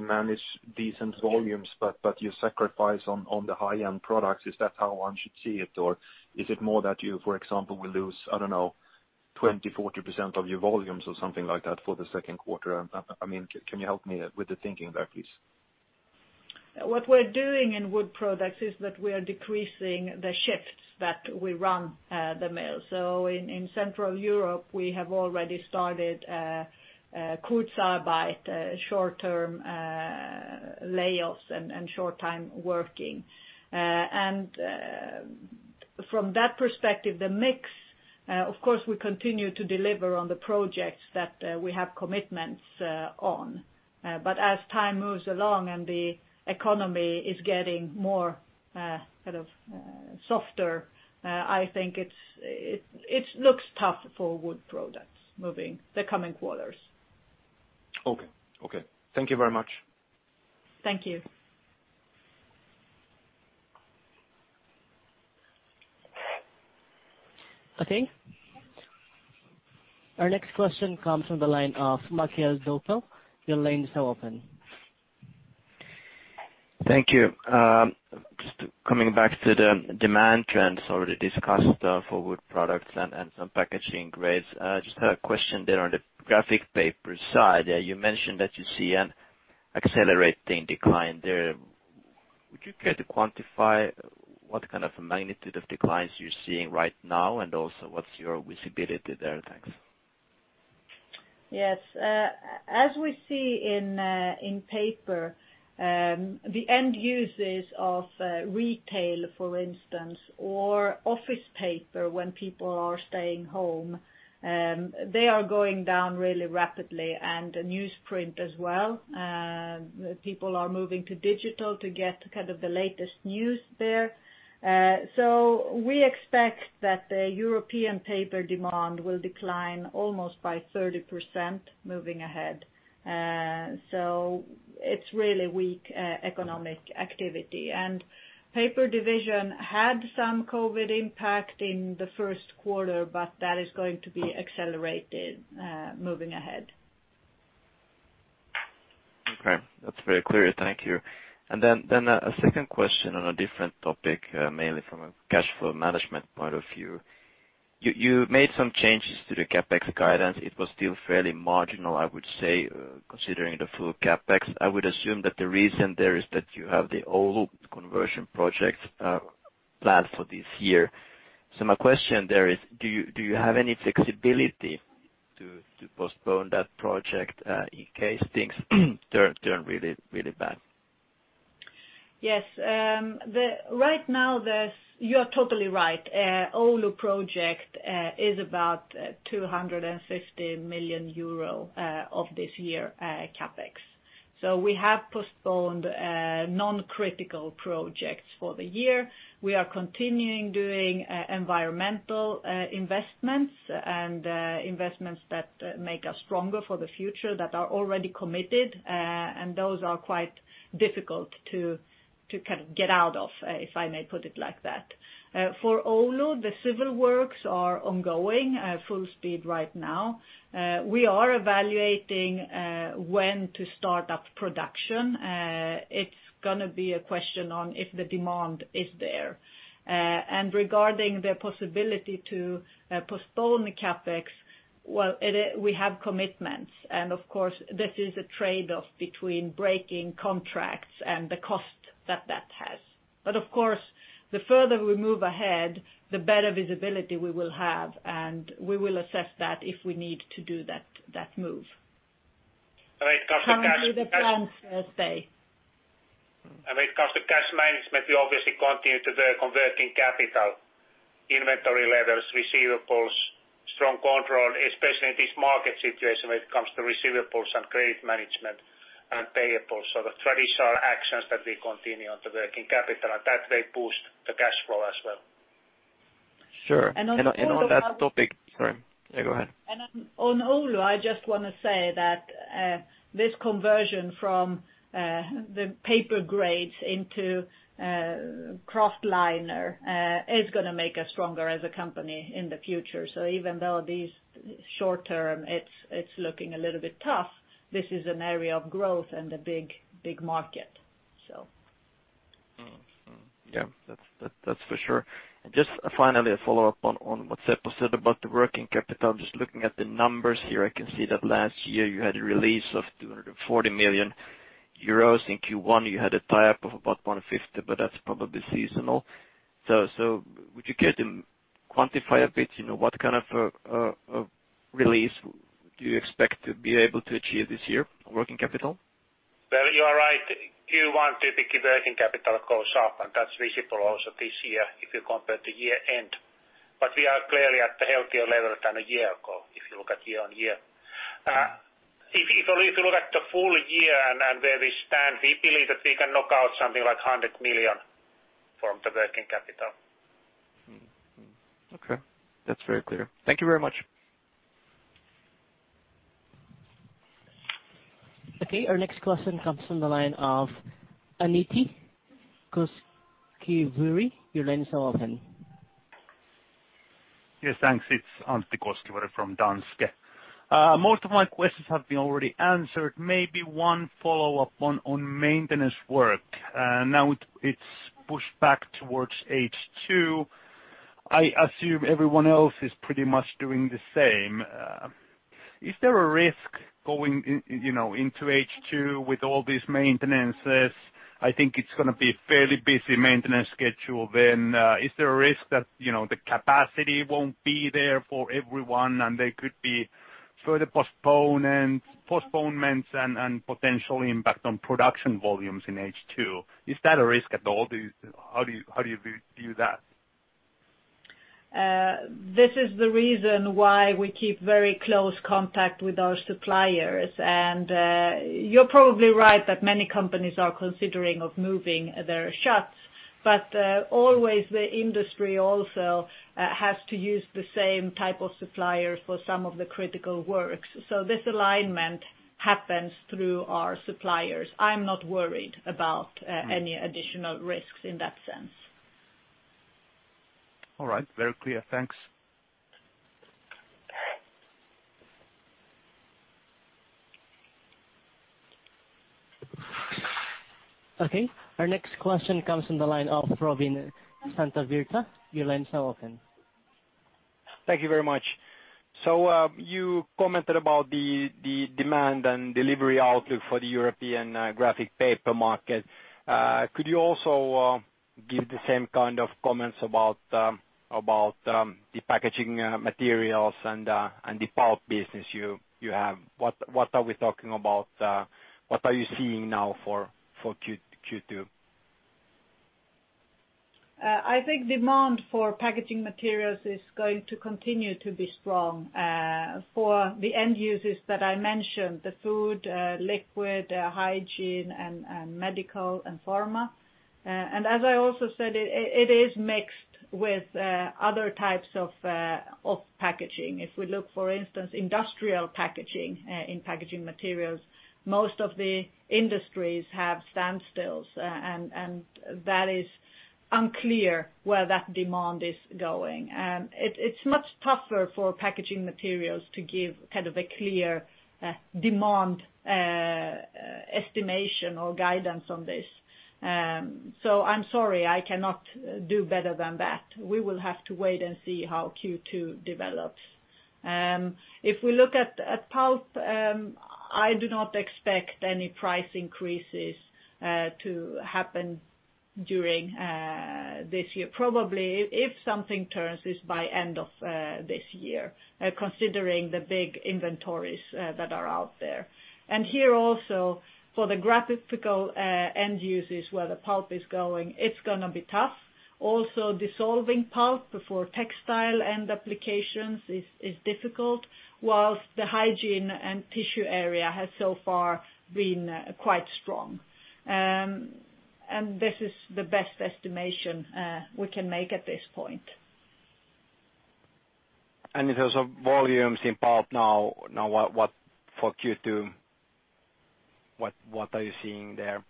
[SPEAKER 8] manage decent volumes, but you sacrifice on the high-end products? Is that how one should see it? Is it more that you, for example, will lose, I don't know, 20%, 40% of your volumes or something like that for the second quarter? Can you help me with the thinking there, please?
[SPEAKER 3] What we're doing in wood products is that we are decreasing the shifts that we run the mill. In Central Europe, we have already started short-term layoffs and short-time working. From that perspective, the mix, of course, we continue to deliver on the projects that we have commitments on. As time moves along and the economy is getting more softer, I think it looks tough for wood products the coming quarters.
[SPEAKER 8] Okay. Thank you very much.
[SPEAKER 3] Thank you.
[SPEAKER 1] Okay. Our next question comes from the line of Mikael Doepel. Your lines are open.
[SPEAKER 9] Thank you. Just coming back to the demand trends already discussed for wood products and some packaging grades. Just had a question there on the graphic paper side. You mentioned that you see an accelerating decline there. Would you care to quantify what kind of magnitude of declines you're seeing right now? Also what's your visibility there? Thanks.
[SPEAKER 3] Yes. As we see in paper, the end users of retail, for instance, or office paper, when people are staying home, they are going down really rapidly and the newsprint as well. People are moving to digital to get the latest news there. We expect that the European paper demand will decline almost by 30% moving ahead. It's really weak economic activity. Paper Division had some COVID-19 impact in the first quarter, but that is going to be accelerated moving ahead.
[SPEAKER 9] Okay. That's very clear. Thank you. A second question on a different topic, mainly from a cash flow management point of view. You made some changes to the CapEx guidance. It was still fairly marginal, I would say, considering the full CapEx. I would assume that the reason there is that you have the Oulu conversion projects planned for this year. My question there is, do you have any flexibility to postpone that project, in case things turn really bad?
[SPEAKER 3] Yes. Right now, you are totally right. Oulu project is about 250 million euro of this year CapEx. We have postponed non-critical projects for the year. We are continuing doing environmental investments and investments that make us stronger for the future that are already committed. Those are quite difficult to get out of, if I may put it like that. For Oulu, the civil works are ongoing at full speed right now. We are evaluating when to start up production. It's going to be a question on if the demand is there. Regarding the possibility to postpone the CapEx, well, we have commitments, and of course, this is a trade-off between breaking contracts and the cost that that has. Of course, the further we move ahead, the better visibility we will have, and we will assess that if we need to do that move.
[SPEAKER 4] When it comes to cash.
[SPEAKER 3] Currently, the plans will stay.
[SPEAKER 4] When it comes to cash management, we obviously continue to work converting capital, inventory levels, receivables, strong control, especially in this market situation when it comes to receivables and credit management and payables. The traditional actions that we continue on the working capital, and that way boost the cash flow as well.
[SPEAKER 9] Sure.
[SPEAKER 3] On Oulu.
[SPEAKER 9] On that topic Sorry. Yeah, go ahead.
[SPEAKER 3] On Oulu, I just want to say that this conversion from the paper grades into kraftliner is going to make us stronger as a company in the future. Even though this short term, it's looking a little bit tough, this is an area of growth and a big market.
[SPEAKER 9] Yeah. That's for sure. Just finally, a follow-up on what Seppo said about the working capital. Just looking at the numbers here, I can see that last year you had a release of 240 million euros. In Q1, you had a tie-up of about 150 million, but that's probably seasonal. Would you care to quantify a bit, what kind of release do you expect to be able to achieve this year on working capital?
[SPEAKER 4] Well, you are right. Q1, typically, working capital goes up, and that's visible also this year if you compare to year end. We are clearly at the healthier level than a year ago, if you look at year-on-year. If you look at the full year and where we stand, we believe that we can knock out something like 100 million from the working capital.
[SPEAKER 9] Okay. That's very clear. Thank you very much.
[SPEAKER 1] Okay, our next question comes from the line of Antti Koskivuori. Your line is now open.
[SPEAKER 10] Yes, thanks. It's Antti Koskivuori from Danske. Most of my questions have been already answered. Maybe one follow-up on maintenance work. Now it's pushed back towards H2. I assume everyone else is pretty much doing the same. Is there a risk going into H2 with all these maintenances? I think it's going to be a fairly busy maintenance schedule then. Is there a risk that the capacity won't be there for everyone and there could be further postponements and potential impact on production volumes in H2? Is that a risk at all? How do you view that?
[SPEAKER 3] This is the reason why we keep very close contact with our suppliers. You're probably right that many companies are considering of moving their shuts. Always the industry also has to use the same type of supplier for some of the critical works. This alignment happens through our suppliers. I'm not worried about any additional risks in that sense.
[SPEAKER 10] All right. Very clear. Thanks.
[SPEAKER 1] Okay. Our next question comes from the line of Robin Santavirta. Your line is now open.
[SPEAKER 11] Thank you very much. You commented about the demand and delivery outlook for the European graphic paper market. Could you also give the same kind of comments about the Packaging Materials and the pulp business you have. What are we talking about? What are you seeing now for Q2?
[SPEAKER 3] I think demand for Packaging Materials is going to continue to be strong for the end users that I mentioned, the food, liquid, hygiene, and medical and pharma. As I also said, it is mixed with other types of packaging. If we look, for instance, industrial packaging in Packaging Materials, most of the industries have standstills, and that is unclear where that demand is going. It's much tougher for Packaging Materials to give kind of a clear demand estimation or guidance on this. I'm sorry, I cannot do better than that. We will have to wait and see how Q2 develops. If we look at pulp, I do not expect any price increases to happen during this year. Probably if something turns is by end of this year, considering the big inventories that are out there. Here also for the graphical end users where the pulp is going, it's going to be tough. Also dissolving pulp before textile end applications is difficult, whilst the hygiene and tissue area has so far been quite strong. This is the best estimation we can make at this point.
[SPEAKER 11] In terms of volumes in pulp now for Q2, what are you seeing there?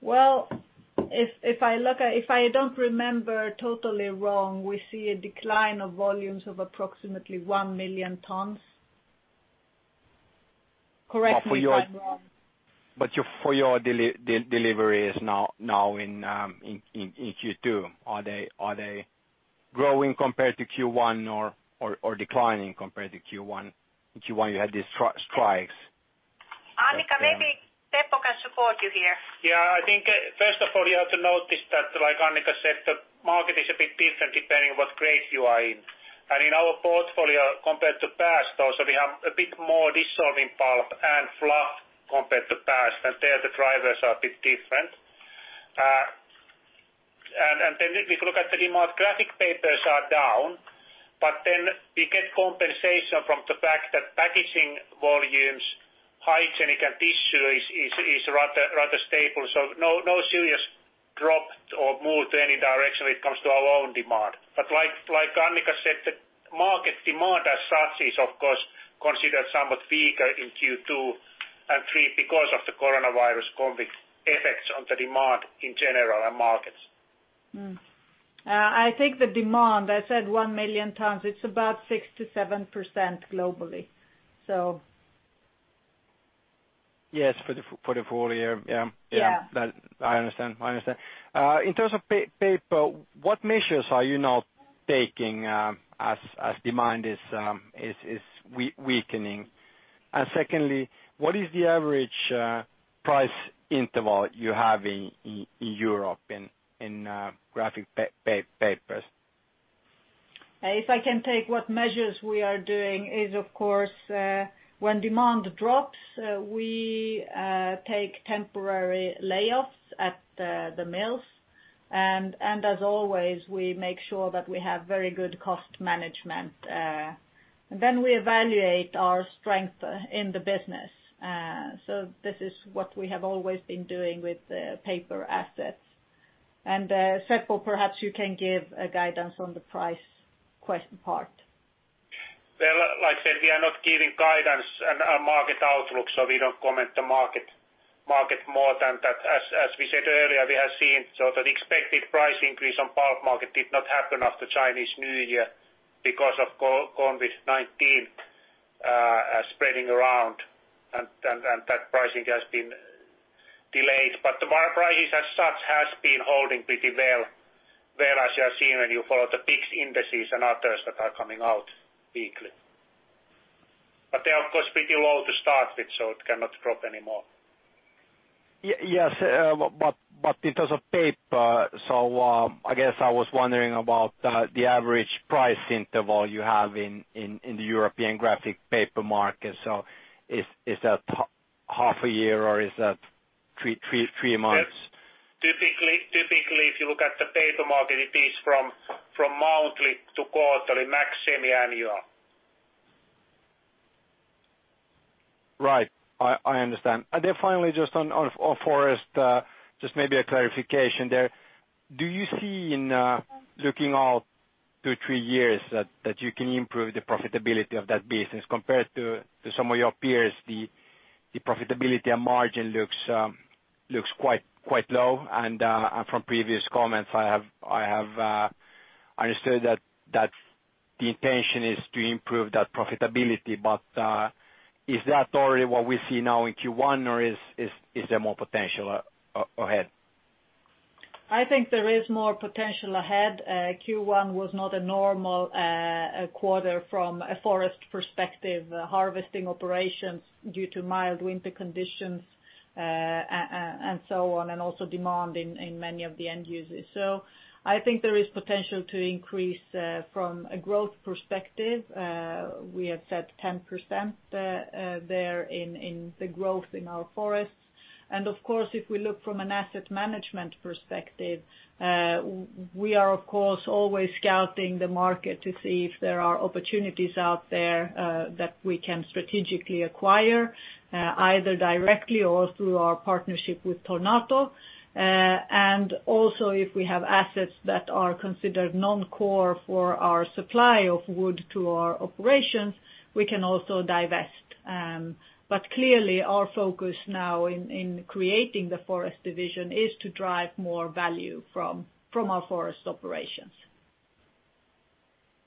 [SPEAKER 3] Well, if I don't remember totally wrong, we see a decline of volumes of approximately 1 million tons. Correct me if I'm wrong.
[SPEAKER 11] For your deliveries now in Q2, are they growing compared to Q1 or declining compared to Q1? In Q1, you had the strikes.
[SPEAKER 2] Annica, maybe Seppo can support you here.
[SPEAKER 4] Yeah, I think first of all, you have to notice that like Annica said, the market is a bit different depending on what grade you are in. In our portfolio compared to past also, we have a bit more dissolving pulp and fluff compared to past, and there the drivers are a bit different. If we look at the demand, graphic papers are down, but then we get compensation from the fact that packaging volumes, hygienic and tissue is rather stable. No serious drop or move to any direction when it comes to our own demand. Like Annica said, the market demand as such is of course considered somewhat weaker in Q2 and Q3 because of the coronavirus COVID effects on the demand in general and markets.
[SPEAKER 3] I think the demand, I said one million tons, it's about 6%-7% globally.
[SPEAKER 11] Yes, for the full year.
[SPEAKER 3] Yeah.
[SPEAKER 11] Yeah. I understand. In terms of paper, what measures are you now taking as demand is weakening? Secondly, what is the average price interval you have in Europe in graphic papers?
[SPEAKER 3] If I can take what measures we are doing is of course, when demand drops, we take temporary layoffs at the mills. As always, we make sure that we have very good cost management, and then we evaluate our strength in the business. This is what we have always been doing with the paper assets. Seppo, perhaps you can give a guidance on the price part.
[SPEAKER 4] Well, like I said, we are not giving guidance and our market outlook, we don't comment the market more than that. As we said earlier, we have seen, the expected price increase on pulp market did not happen after Chinese New Year because of COVID-19 spreading around, that pricing has been delayed. The market prices as such has been holding pretty well as you have seen when you follow the PIX indices and others that are coming out weekly. They are, of course, pretty low to start with, it cannot drop any more.
[SPEAKER 11] Yes, but in terms of paper, I guess I was wondering about the average price interval you have in the European graphic paper market. Is that half a year or is that three months?
[SPEAKER 4] Typically, if you look at the paper market, it is from monthly to quarterly, max semiannual.
[SPEAKER 11] Right. I understand. Finally, just on Forest just maybe a clarification there. Do you see in looking out two, three years that you can improve the profitability of that business? Compared to some of your peers, the profitability and margin looks quite low. From previous comments, I have understood that the intention is to improve that profitability. Is that already what we see now in Q1 or is there more potential ahead?
[SPEAKER 3] I think there is more potential ahead. Q1 was not a normal quarter from a Forest perspective. Harvesting operations due to mild winter conditions. So on, also demand in many of the end users. I think there is potential to increase from a growth perspective. We have said 10% there in the growth in our forests. Of course, if we look from an asset management perspective, we are of course always scouting the market to see if there are opportunities out there that we can strategically acquire, either directly or through our partnership with Tornator. Also if we have assets that are considered non-core for our supply of wood to our operations, we can also divest. Clearly our focus now in creating the Forest division is to drive more value from our forest operations.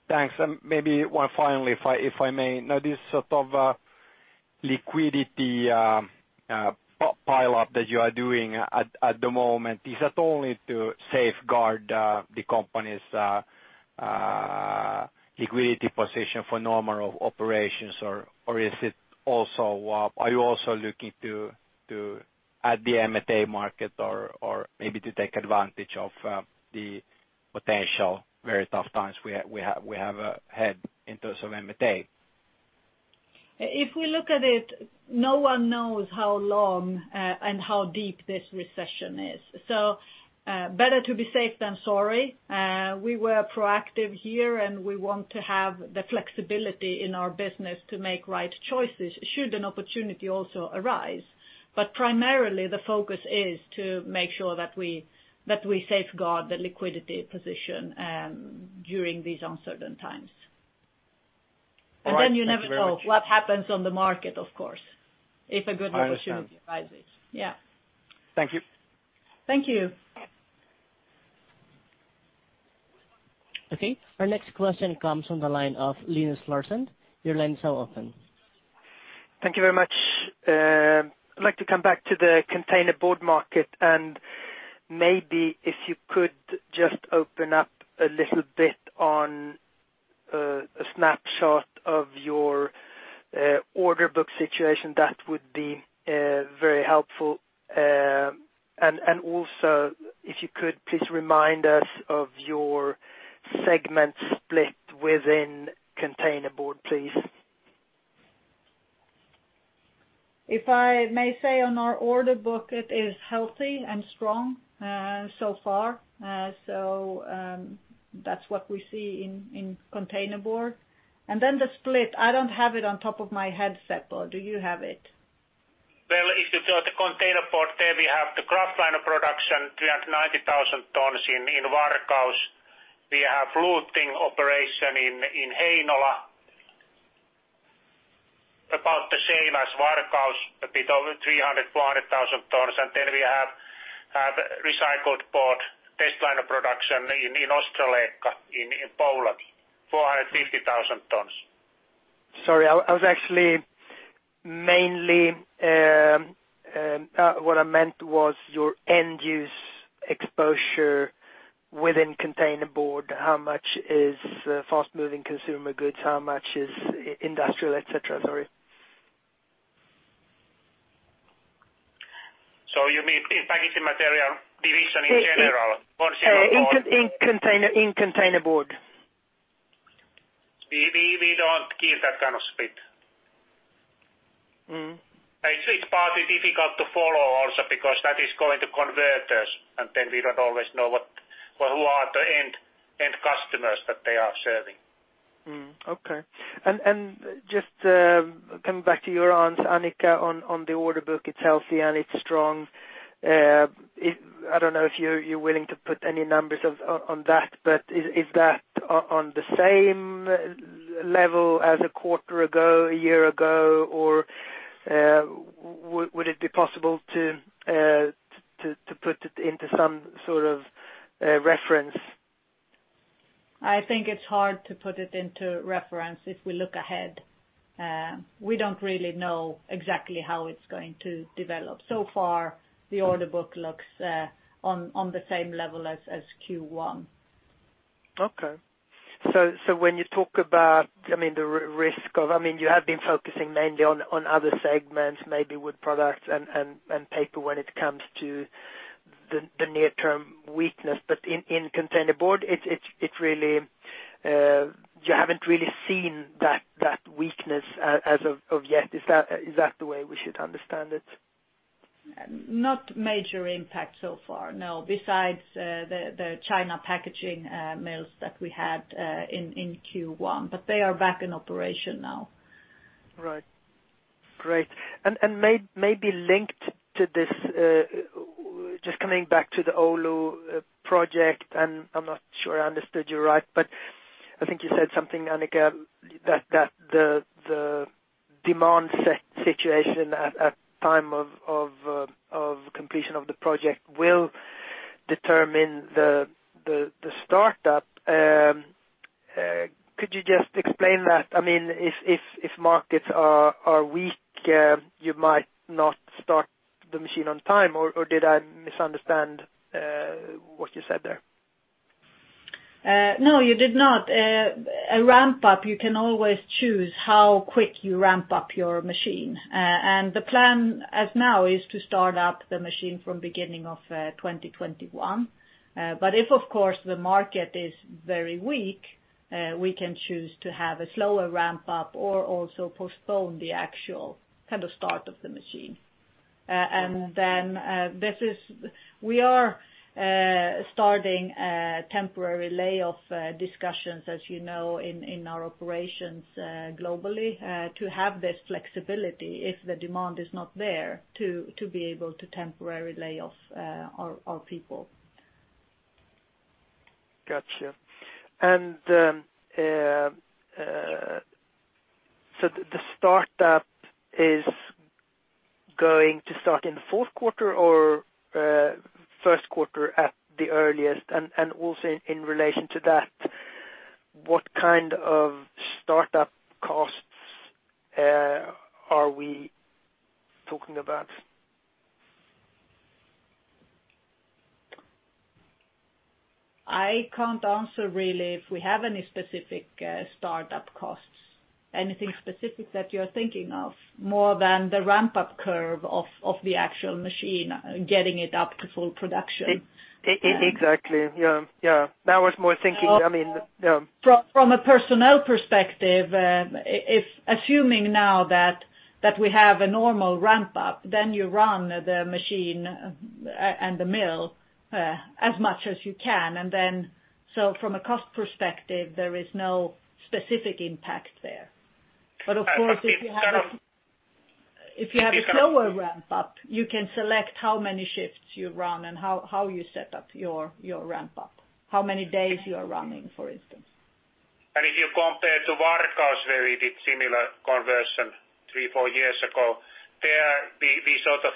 [SPEAKER 11] Thanks. Maybe one finally, if I may? Now this sort of liquidity pile-up that you are doing at the moment, is that only to safeguard the company's liquidity position for normal operations? Or are you also looking to add the M&A market or maybe to take advantage of the potential very tough times we have had in terms of M&A?
[SPEAKER 3] If we look at it, no one knows how long and how deep this recession is. Better to be safe than sorry. We were proactive here, and we want to have the flexibility in our business to make right choices should an opportunity also arise. Primarily the focus is to make sure that we safeguard the liquidity position during these uncertain times.
[SPEAKER 11] All right. Thank you very much.
[SPEAKER 3] You never know what happens on the market, of course, if a good opportunity arises.
[SPEAKER 11] I understand.
[SPEAKER 3] Yeah.
[SPEAKER 11] Thank you.
[SPEAKER 3] Thank you.
[SPEAKER 1] Our next question comes from the line of Linus Larsson. Your line is now open.
[SPEAKER 12] Thank you very much. I'd like to come back to the containerboard market, and maybe if you could just open up a little bit on a snapshot of your order book situation, that would be very helpful. Also if you could please remind us of your segment split within containerboard, please.
[SPEAKER 3] If I may say on our order book, it is healthy and strong so far. That's what we see in containerboard. The split, I don't have it on top of my head, Seppo. Do you have it?
[SPEAKER 4] Well, if you go to containerboard there, we have the kraftliner production, 390,000 tons in Varkaus. We have fluting operation in Heinola. About the same as Varkaus, a bit over 300,000 tons. Then we have recycled board, testliner production in Ostrołęka, in Poland, 450,000 tons.
[SPEAKER 12] Sorry, what I meant was your end-use exposure within containerboard. How much is fast-moving consumer goods? How much is industrial, et cetera? Sorry.
[SPEAKER 4] You mean in Packaging Materials division in general or-?
[SPEAKER 12] In containerboard.
[SPEAKER 4] We don't give that kind of split. It's partly difficult to follow also because that is going to converters, and then we don't always know who are the end customers that they are serving.
[SPEAKER 12] Okay. Just coming back to your answer, Annica, on the order book, it's healthy and it's strong. I don't know if you're willing to put any numbers on that, but is that on the same level as a quarter ago, a year ago, or would it be possible to put it into some sort of reference?
[SPEAKER 3] I think it's hard to put it into reference if we look ahead. We don't really know exactly how it's going to develop. The order book looks on the same level as Q1.
[SPEAKER 12] Okay. You have been focusing mainly on other segments, maybe wood products and paper when it comes to the near-term weakness. In containerboard you haven't really seen that weakness as of yet. Is that the way we should understand it?
[SPEAKER 3] Not major impact so far, no. Besides the China packaging mills that we had in Q1, they are back in operation now.
[SPEAKER 12] Right. Great. Maybe linked to this, just coming back to the Oulu project, I'm not sure I understood you right. I think you said something, Annica, that the demand situation at time of completion of the project will determine the startup. Could you just explain that? If markets are weak, you might not start the machine on time, or did I misunderstand what you said there?
[SPEAKER 3] No, you did not. A ramp-up, you can always choose how quick you ramp up your machine. The plan as now is to start up the machine from beginning of 2021. If, of course, the market is very weak, we can choose to have a slower ramp-up or also postpone the actual kind of start of the machine. We are starting temporary lay-off discussions, as you know, in our operations globally, to have this flexibility if the demand is not there to be able to temporarily lay off our people.
[SPEAKER 12] Got you. The start-up is going to start in the fourth quarter or first quarter at the earliest? Also in relation to that, what kind of start-up costs are we talking about?
[SPEAKER 3] I can't answer really if we have any specific start-up costs. Anything specific that you're thinking of, more than the ramp-up curve of the actual machine, getting it up to full production?
[SPEAKER 12] Exactly. Yeah.
[SPEAKER 3] From a personnel perspective, assuming now that we have a normal ramp-up, you run the machine and the mill as much as you can. From a cost perspective, there is no specific impact there. Of course, if you have a slower ramp-up, you can select how many shifts you run and how you set up your ramp-up, how many days you are running, for instance.
[SPEAKER 4] If you compare to Varkaus, where we did similar conversion three, four years ago, there we sort of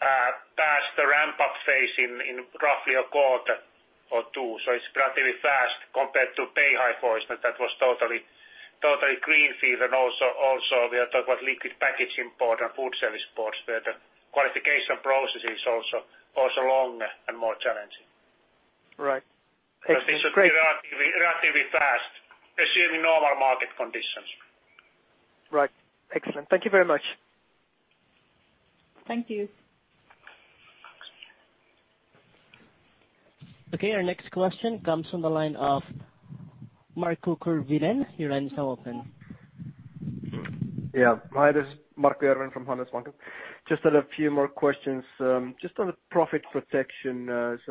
[SPEAKER 4] passed the ramp-up phase in roughly a quarter or two. It's relatively fast compared to Beihai, for instance, that was totally greenfield, and also we are talking about liquid packaging board and food service boards, where the qualification process is also longer and more challenging.
[SPEAKER 12] Right.
[SPEAKER 4] This should be relatively fast, assuming normal market conditions.
[SPEAKER 12] Right. Excellent. Thank you very much.
[SPEAKER 3] Thank you.
[SPEAKER 1] Okay, our next question comes from the line of Markku Järvinen, your line is now open.
[SPEAKER 13] Yeah. Hi, this is Markku Järvinen from Handelsbanken. Just had a few more questions. Just on the profit protection,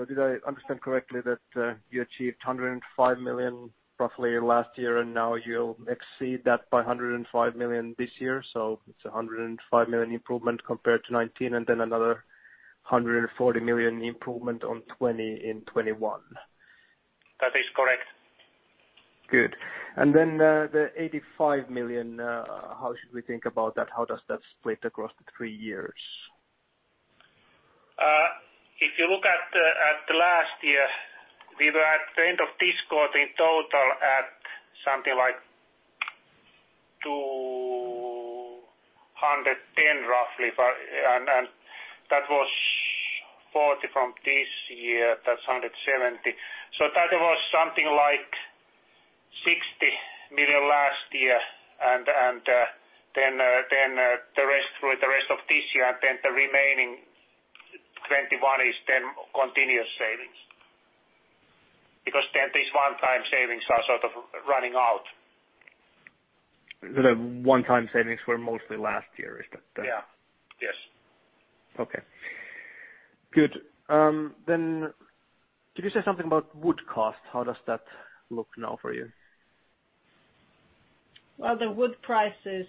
[SPEAKER 13] did I understand correctly that you achieved 105 million roughly last year, and now you'll exceed that by 105 million this year? It's 105 million improvement compared to 2019, and then another 140 million improvement on 2020 in 2021.
[SPEAKER 4] That is correct.
[SPEAKER 13] Good. The 85 million, how should we think about that? How does that split across the three years?
[SPEAKER 4] If you look at the last year, we were at the end of this quarter in total at something like 210, roughly. That was 40 from this year. That's 170. That was something like 60 million last year, and then the rest of this year, and then the remaining 2021 is then continuous savings. These one-time savings are sort of running out.
[SPEAKER 13] The one-time savings were mostly last year.
[SPEAKER 4] Yeah. Yes.
[SPEAKER 13] Okay. Good. Could you say something about wood cost? How does that look now for you?
[SPEAKER 3] The wood prices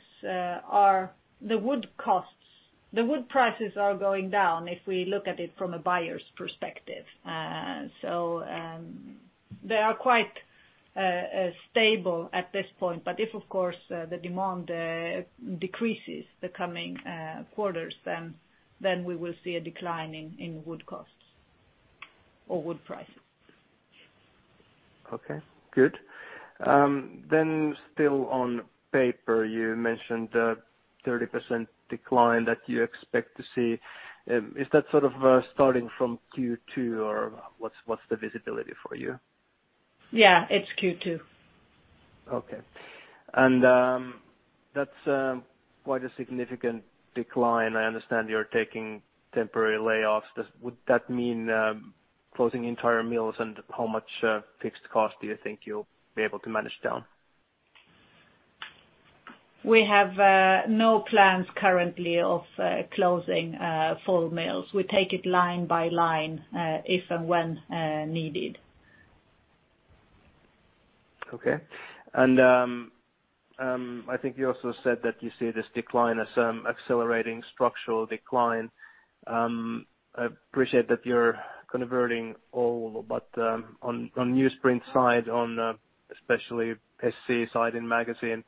[SPEAKER 3] are going down if we look at it from a buyer's perspective. They are quite stable at this point, but if, of course, the demand decreases the coming quarters, then we will see a decline in wood costs or wood prices.
[SPEAKER 13] Okay, good. Still on paper, you mentioned a 30% decline that you expect to see. Is that sort of starting from Q2, or what's the visibility for you?
[SPEAKER 3] Yeah, it's Q2.
[SPEAKER 13] Okay. That's quite a significant decline. I understand you're taking temporary layoffs. Would that mean closing entire mills, and how much fixed cost do you think you'll be able to manage down?
[SPEAKER 3] We have no plans currently of closing full mills. We take it line by line, if and when needed.
[SPEAKER 13] Okay. I think you also said that you see this decline as accelerating structural decline. I appreciate that you're converting all, but on newsprint side, on especially SC side in magazine,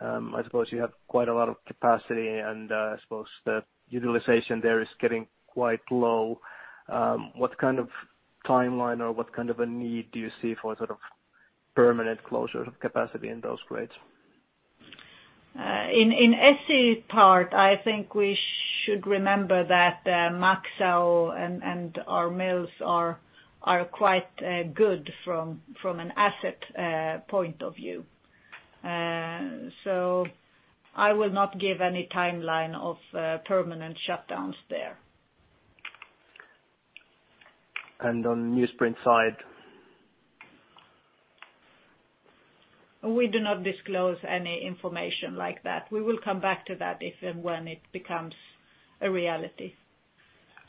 [SPEAKER 13] I suppose you have quite a lot of capacity and I suppose the utilization there is getting quite low. What kind of timeline, or what kind of a need do you see for sort of permanent closure of capacity in those grades?
[SPEAKER 3] In SC part, I think we should remember that Maxau and our mills are quite good from an asset point of view. I will not give any timeline of permanent shutdowns there.
[SPEAKER 13] On newsprint side?
[SPEAKER 3] We do not disclose any information like that. We will come back to that if and when it becomes a reality.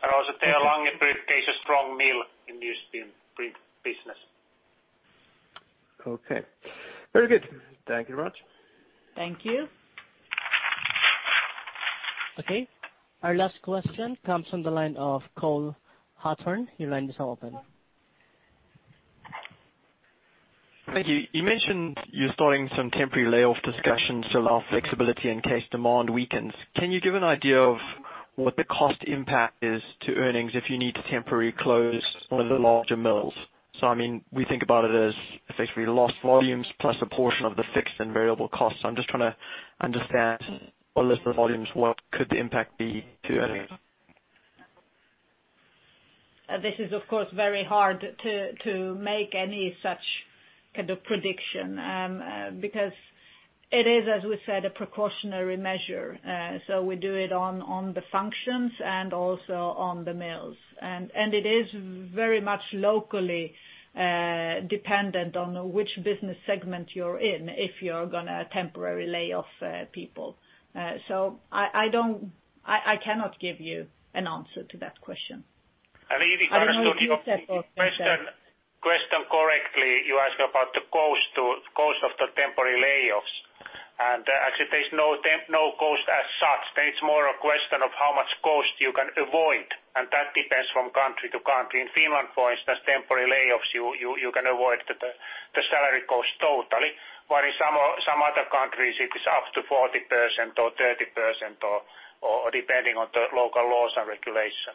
[SPEAKER 4] Also Teijin Longifiber is a strong mill in newsprint business.
[SPEAKER 13] Okay. Very good. Thank you very much.
[SPEAKER 3] Thank you.
[SPEAKER 1] Okay, our last question comes from the line of Cole Hathorn. Your line is now open.
[SPEAKER 14] Thank you. You mentioned you're starting some temporary layoff discussions to allow flexibility in case demand weakens. Can you give an idea of what the cost impact is to earnings if you need to temporarily close one of the larger mills? We think about it as effectively lost volumes plus a portion of the fixed and variable costs. I'm just trying to understand what could the impact be to earnings?
[SPEAKER 3] This is of course very hard to make any such kind of prediction, because it is, as we said, a precautionary measure. We do it on the functions and also on the mills. It is very much locally dependent on which business segment you're in, if you're going to temporarily lay off people. I cannot give you an answer to that question.
[SPEAKER 4] If I understood your question correctly, you asked about the cost of the temporary layoffs. Actually, there's no cost as such. It's more a question of how much cost you can avoid, and that depends from country to country. In Finland, for instance, temporary layoffs, you can avoid the salary cost totally. In some other countries, it is up to 40% or 30% depending on the local laws and regulation.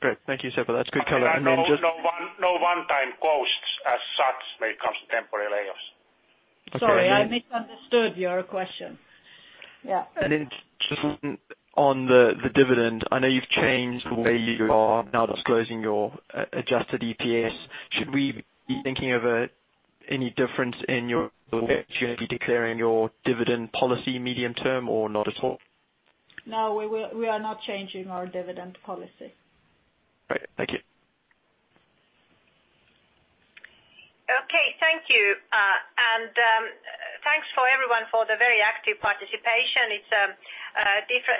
[SPEAKER 14] Great. Thank you, Seppo. That's good color.
[SPEAKER 4] No one-time costs as such when it comes to temporary layoffs.
[SPEAKER 3] Sorry, I misunderstood your question. Yeah.
[SPEAKER 14] Just on the dividend, I know you've changed the way you are now disclosing your adjusted EPS. Should we be thinking of any difference in your declaring your dividend policy medium term or not at all?
[SPEAKER 3] No, we are not changing our dividend policy.
[SPEAKER 14] Great. Thank you.
[SPEAKER 2] Okay, thank you. Thanks for everyone for the very active participation. It's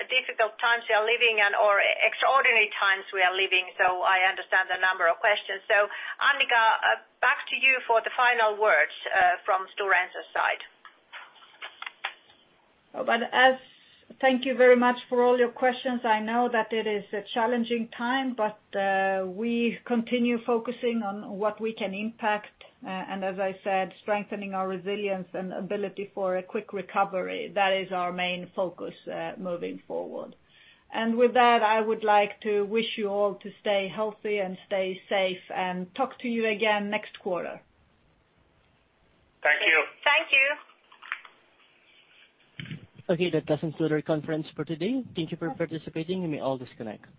[SPEAKER 2] difficult times we are living in, or extraordinary times we are living. I understand the number of questions. Annica, back to you for the final words from Stora Enso side.
[SPEAKER 3] Thank you very much for all your questions. I know that it is a challenging time, we continue focusing on what we can impact. As I said, strengthening our resilience and ability for a quick recovery, that is our main focus moving forward. With that, I would like to wish you all to stay healthy and stay safe and talk to you again next quarter.
[SPEAKER 4] Thank you.
[SPEAKER 2] Thank you.
[SPEAKER 1] Okay, that concludes our conference for today. Thank you for participating. You may all disconnect.